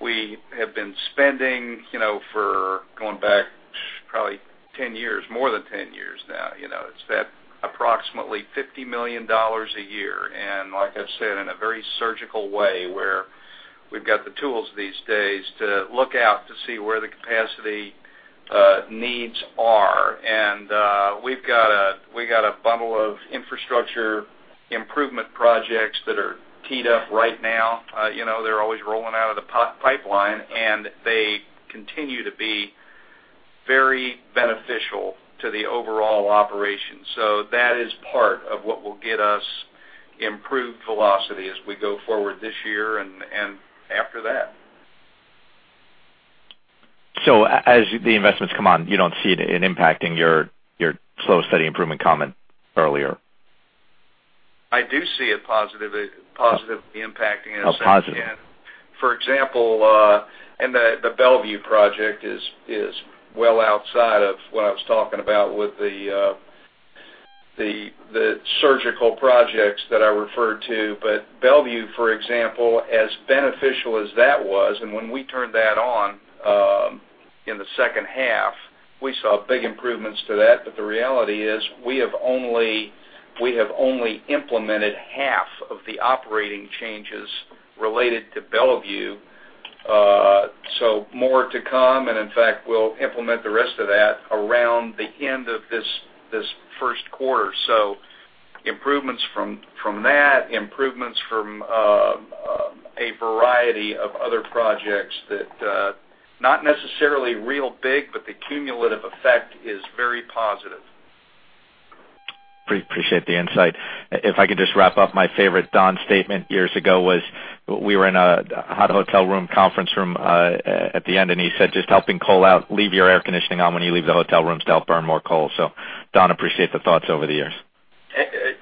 we have been spending, you know, for going back probably 10 years, more than 10 years now, you know, it's that approximately $50 million a year. And like I've said, in a very surgical way, where we've got the tools these days to look out to see where the capacity needs are. And, we've got a, we got a bundle of infrastructure improvement projects that are teed up right now. You know, they're always rolling out of the pipeline, and they continue to be very beneficial to the overall operation. So that is part of what will get us improved velocity as we go forward this year and, and after that. So as the investments come on, you don't see it impacting your slow and steady improvement comment earlier? I do see it positively, positively impacting it. Oh, positive. For example, and the Bellevue project is well outside of what I was talking about with the the surgical projects that I referred to. But Bellevue, for example, as beneficial as that was, and when we turned that on, in the second half, we saw big improvements to that. But the reality is, we have only implemented half of the operating changes related to Bellevue. So more to come, and in fact, we'll implement the rest of that around the end of this first quarter. So improvements from that, improvements from a variety of other projects that not necessarily real big, but the cumulative effect is very positive. Appreciate the insight. If I could just wrap up, my favorite Don statement years ago was, we were in a hot hotel room, conference room, at the end, and he said, "Just helping coal out, leave your air conditioning on when you leave the hotel rooms to help burn more coal." So Don, appreciate the thoughts over the years.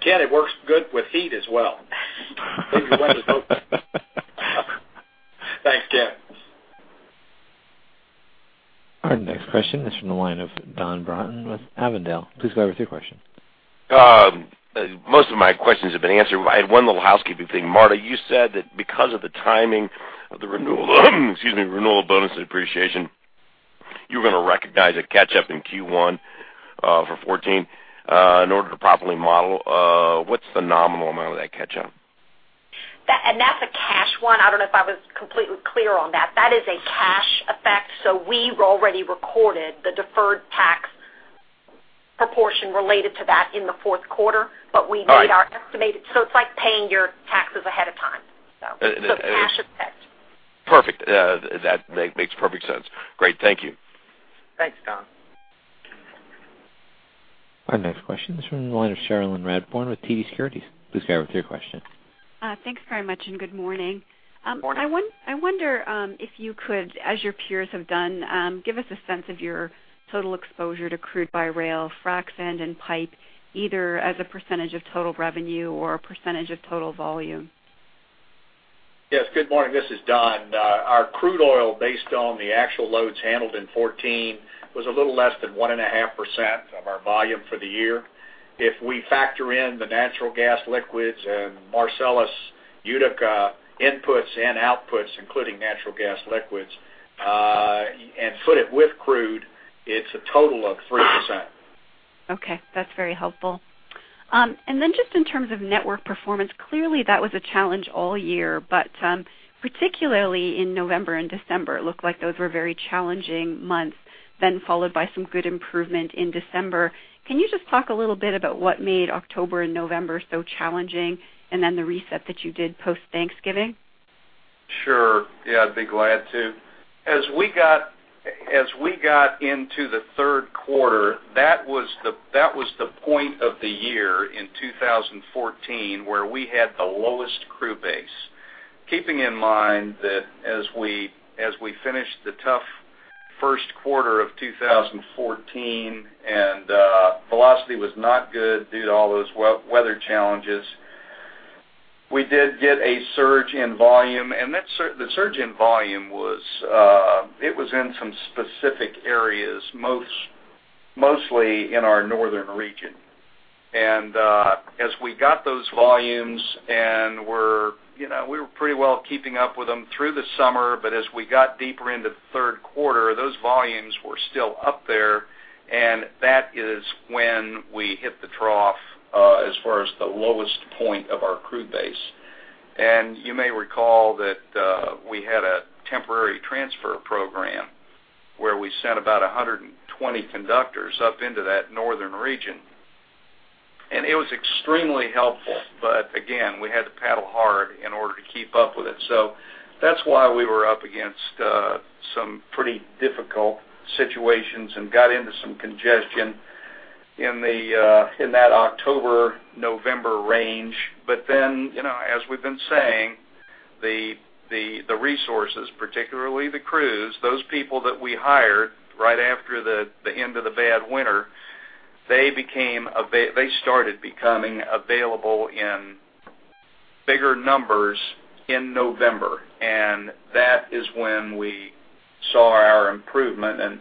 Ken, it works good with heat as well. Leave the window open. Thanks, Ken. Our next question is from the line of Don Broughton with Avondale. Please go ahead with your question. Most of my questions have been answered. I had one little housekeeping thing. Marta, you said that because of the timing of the renewal, excuse me, renewal bonus depreciation, you were going to recognize a catch-up in Q1 for 2014. In order to properly model, what's the nominal amount of that catch-up? That, and that's a cash one. I don't know if I was completely clear on that. That is a cash effect, so we've already recorded the deferred tax proportion related to that in the fourth quarter. All right. We made our estimates, so it's like paying your taxes ahead of time. So cash effect. Perfect. That makes perfect sense. Great. Thank you. Thanks, Don. Our next question is from the line of Cherilyn Radbourne with TD Securities. Please go ahead with your question. Thanks very much, and good morning. Good morning. I wonder if you could, as your peers have done, give us a sense of your total exposure to crude by rail, frac sand, and pipe, either as a percentage of total revenue or a percentage of total volume. Yes, good morning. This is Don. Our crude oil, based on the actual loads handled in 2014, was a little less than 1.5% of our volume for the year. If we factor in the natural gas liquids and Marcellus Utica inputs and outputs, including natural gas liquids, and put it with crude, it's a total of 3%. Okay, that's very helpful. And then just in terms of network performance, clearly, that was a challenge all year, but particularly in November and December, it looked like those were very challenging months, then followed by some good improvement in December. Can you just talk a little bit about what made October and November so challenging, and then the reset that you did post-Thanksgiving? Sure. Yeah, I'd be glad to. As we got into the third quarter, that was the point of the year in 2014, where we had the lowest crew base. Keeping in mind that as we finished the tough first quarter of 2014, and velocity was not good due to all those weather challenges, we did get a surge in volume, and the surge in volume was, it was in some specific areas, mostly in our northern region. As we got those volumes and were, you know, we were pretty well keeping up with them through the summer, but as we got deeper into the third quarter, those volumes were still up there, and that is when we hit the trough, as far as the lowest point of our crew base. You may recall that we had a temporary transfer program where we sent about 120 conductors up into that northern region, and it was extremely helpful. Again, we had to paddle hard in order to keep up with it. So that's why we were up against some pretty difficult situations and got into some congestion in that October-November range. But then, you know, as we've been saying, the resources, particularly the crews, those people that we hired right after the end of the bad winter, they started becoming available in bigger numbers in November, and that is when we saw our improvement. And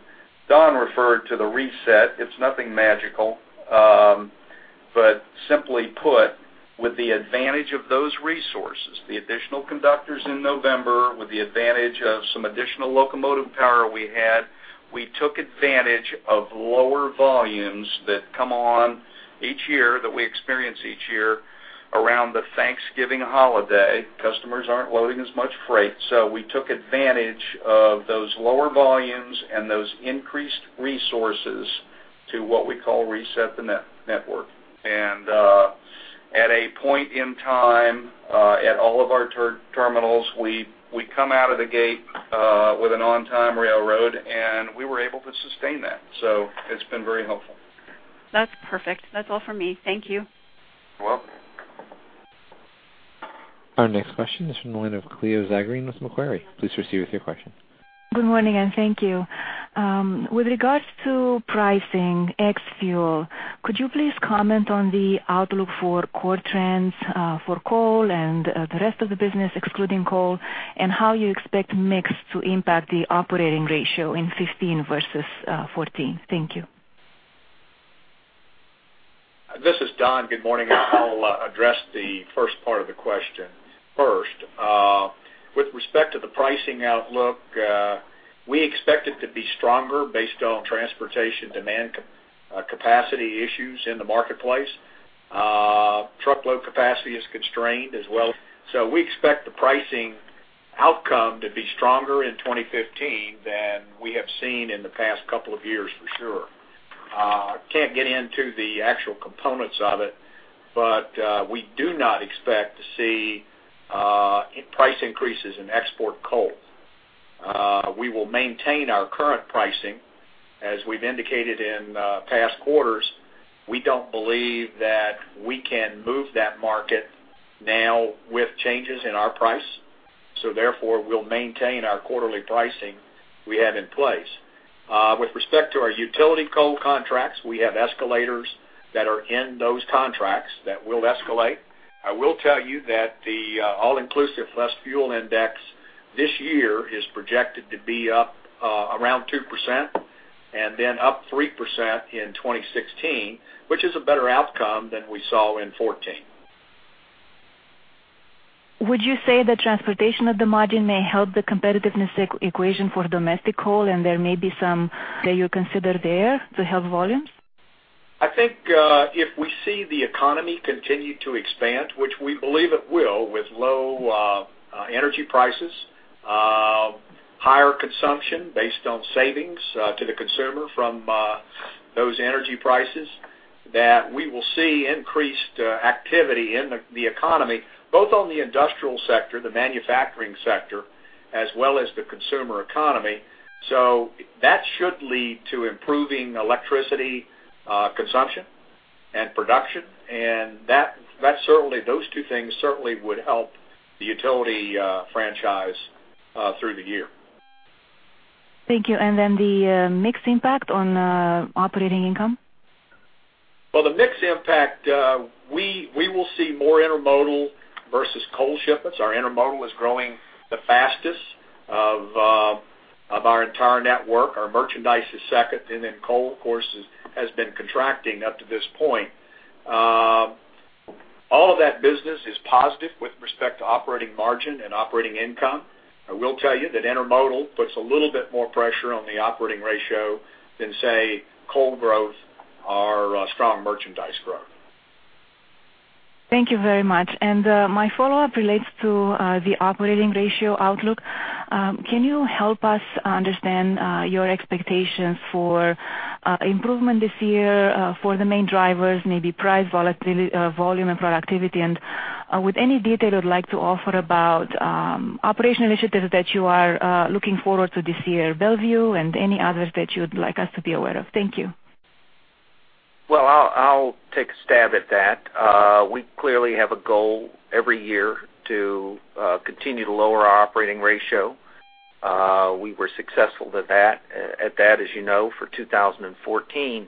Don referred to the reset. It's nothing magical, but simply put, with the advantage of those resources, the additional conductors in November, with the advantage of some additional locomotive power we had, we took advantage of lower volumes that come on each year, that we experience each year around the Thanksgiving holiday. Customers aren't loading as much freight, so we took advantage of those lower volumes and those increased resources to what we call reset the network. At a point in time, at all of our terminals, we come out of the gate with an on-time railroad, and we were able to sustain that. It's been very helpful. That's perfect. That's all for me. Thank you. You're welcome. Our next question is from the line of Cleo Zagrean with Macquarie. Please proceed with your question. Good morning, and thank you. With regards to pricing ex fuel, could you please comment on the outlook for core trends for coal and the rest of the business, excluding coal, and how you expect mix to impact the operating ratio in 2015 versus 2014? Thank you. This is Don. Good morning. I'll address the first part of the question first. With respect to the pricing outlook, we expect it to be stronger based on transportation demand, capacity issues in the marketplace. Truckload capacity is constrained as well. So we expect the pricing outcome to be stronger in 2015 than we have seen in the past couple of years for sure. Can't get into the actual components of it, but we do not expect to see price increases in export coal. We will maintain our current pricing. As we've indicated in past quarters, we don't believe that we can move that market now with changes in our price, so therefore, we'll maintain our quarterly pricing we have in place. With respect to our utility coal contracts, we have escalators that are in those contracts that will escalate. I will tell you that the all-inclusive less fuel index this year is projected to be up around 2% and then up 3% in 2016, which is a better outcome than we saw in 2014. Would you say the transportation margin may help the competitiveness equation for domestic coal, and there may be some that you consider there to help volumes? I think, if we see the economy continue to expand, which we believe it will, with low energy prices, higher consumption based on savings to the consumer from those energy prices, that we will see increased activity in the economy, both on the industrial sector, the manufacturing sector, as well as the consumer economy. So that should lead to improving electricity consumption and production, and that certainly, those two things would help the utility franchise through the year. Thank you, and then the, mix impact on, operating income? Well, the mix impact, we, we will see more intermodal versus coal shipments. Our intermodal is growing the fastest of, of our entire network. Our merchandise is second, and then coal, of course, is, has been contracting up to this point. All of that business is positive with respect to operating margin and operating income. I will tell you that intermodal puts a little bit more pressure on the operating ratio than, say, coal growth or, strong merchandise growth. Thank you very much. My follow-up relates to the operating ratio outlook. Can you help us understand your expectations for improvement this year for the main drivers, maybe price volatility, volume and productivity? With any detail you'd like to offer about operational initiatives that you are looking forward to this year, Bellevue and any others that you'd like us to be aware of. Thank you. Well, I'll take a stab at that. We clearly have a goal every year to continue to lower our Operating Ratio. We were successful with that, as you know, for 2014.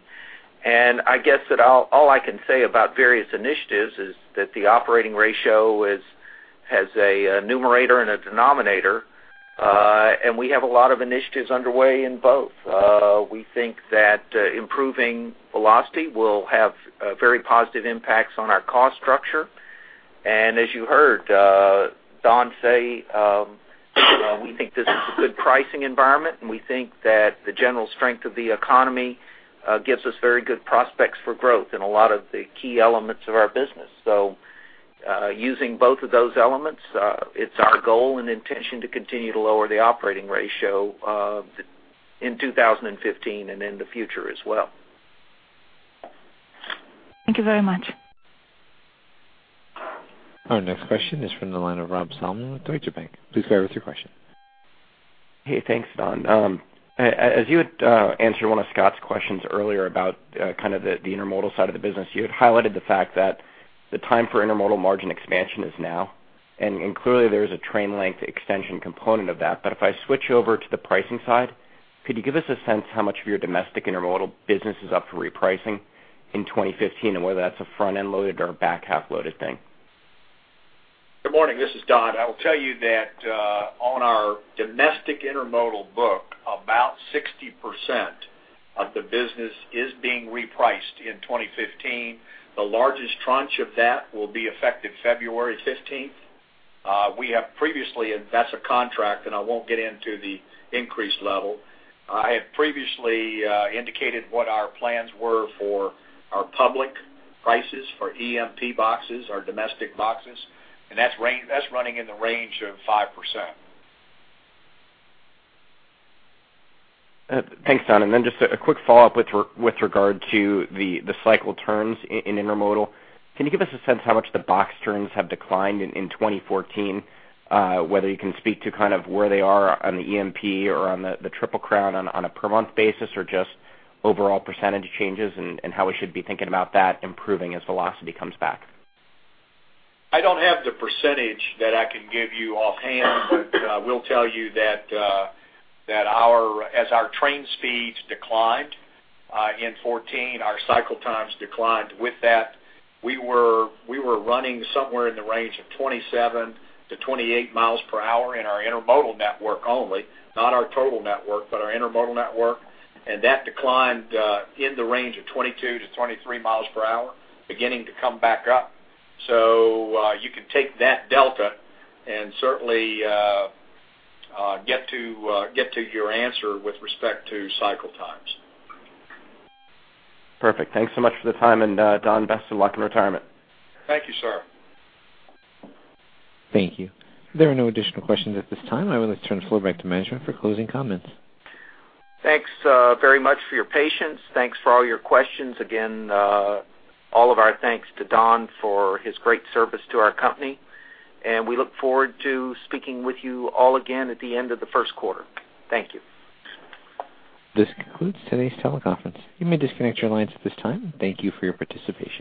And I guess that all I can say about various initiatives is that the Operating Ratio has a numerator and a denominator, and we have a lot of initiatives underway in both. We think that improving velocity will have very positive impacts on our cost structure. And as you heard Don say, we think this is a good pricing environment, and we think that the general strength of the economy gives us very good prospects for growth in a lot of the key elements of our business. Using both of those elements, it's our goal and intention to continue to lower the operating ratio in 2015 and in the future as well. Thank you very much. Our next question is from the line of Rob Salmon with Deutsche Bank. Please go ahead with your question. Hey, thanks, Don. As you had answered one of Scott's questions earlier about kind of the intermodal side of the business, you had highlighted the fact that the time for intermodal margin expansion is now, and clearly there is a train length extension component of that. But if I switch over to the pricing side, could you give us a sense how much of your domestic intermodal business is up for repricing in 2015, and whether that's a front-end loaded or a back-half loaded thing? Good morning. This is Don. I will tell you that, on our domestic intermodal book, about 60% of the business is being repriced in 2015. The largest tranche of that will be effective February 15. We have previously, and that's a contract, and I won't get into the increased level. I have previously indicated what our plans were for our public prices for EMP boxes, our domestic boxes, and that's range, that's running in the range of 5%. Thanks, Don. And then just a quick follow-up with regard to the cycle turns in intermodal. Can you give us a sense how much the box turns have declined in 2014? Whether you can speak to kind of where they are on the EMP or on the Triple Crown on a per month basis, or just overall percentage changes and how we should be thinking about that improving as velocity comes back? I don't have the percentage that I can give you offhand, but we'll tell you that that our, as our train speeds declined in 2014, our cycle times declined. With that, we were running somewhere in the range of 27-28 miles per hour in our intermodal network only, not our total network, but our intermodal network, and that declined in the range of 22-23 miles per hour, beginning to come back up. So you can take that delta and certainly get to your answer with respect to cycle times. Perfect. Thanks so much for the time, and, Don, best of luck in retirement. Thank you, sir. Thank you. There are no additional questions at this time. I would like to turn the floor back to management for closing comments. Thanks, very much for your patience. Thanks for all your questions. Again, all of our thanks to Don for his great service to our company, and we look forward to speaking with you all again at the end of the first quarter. Thank you. This concludes today's teleconference. You may disconnect your lines at this time. Thank you for your participation.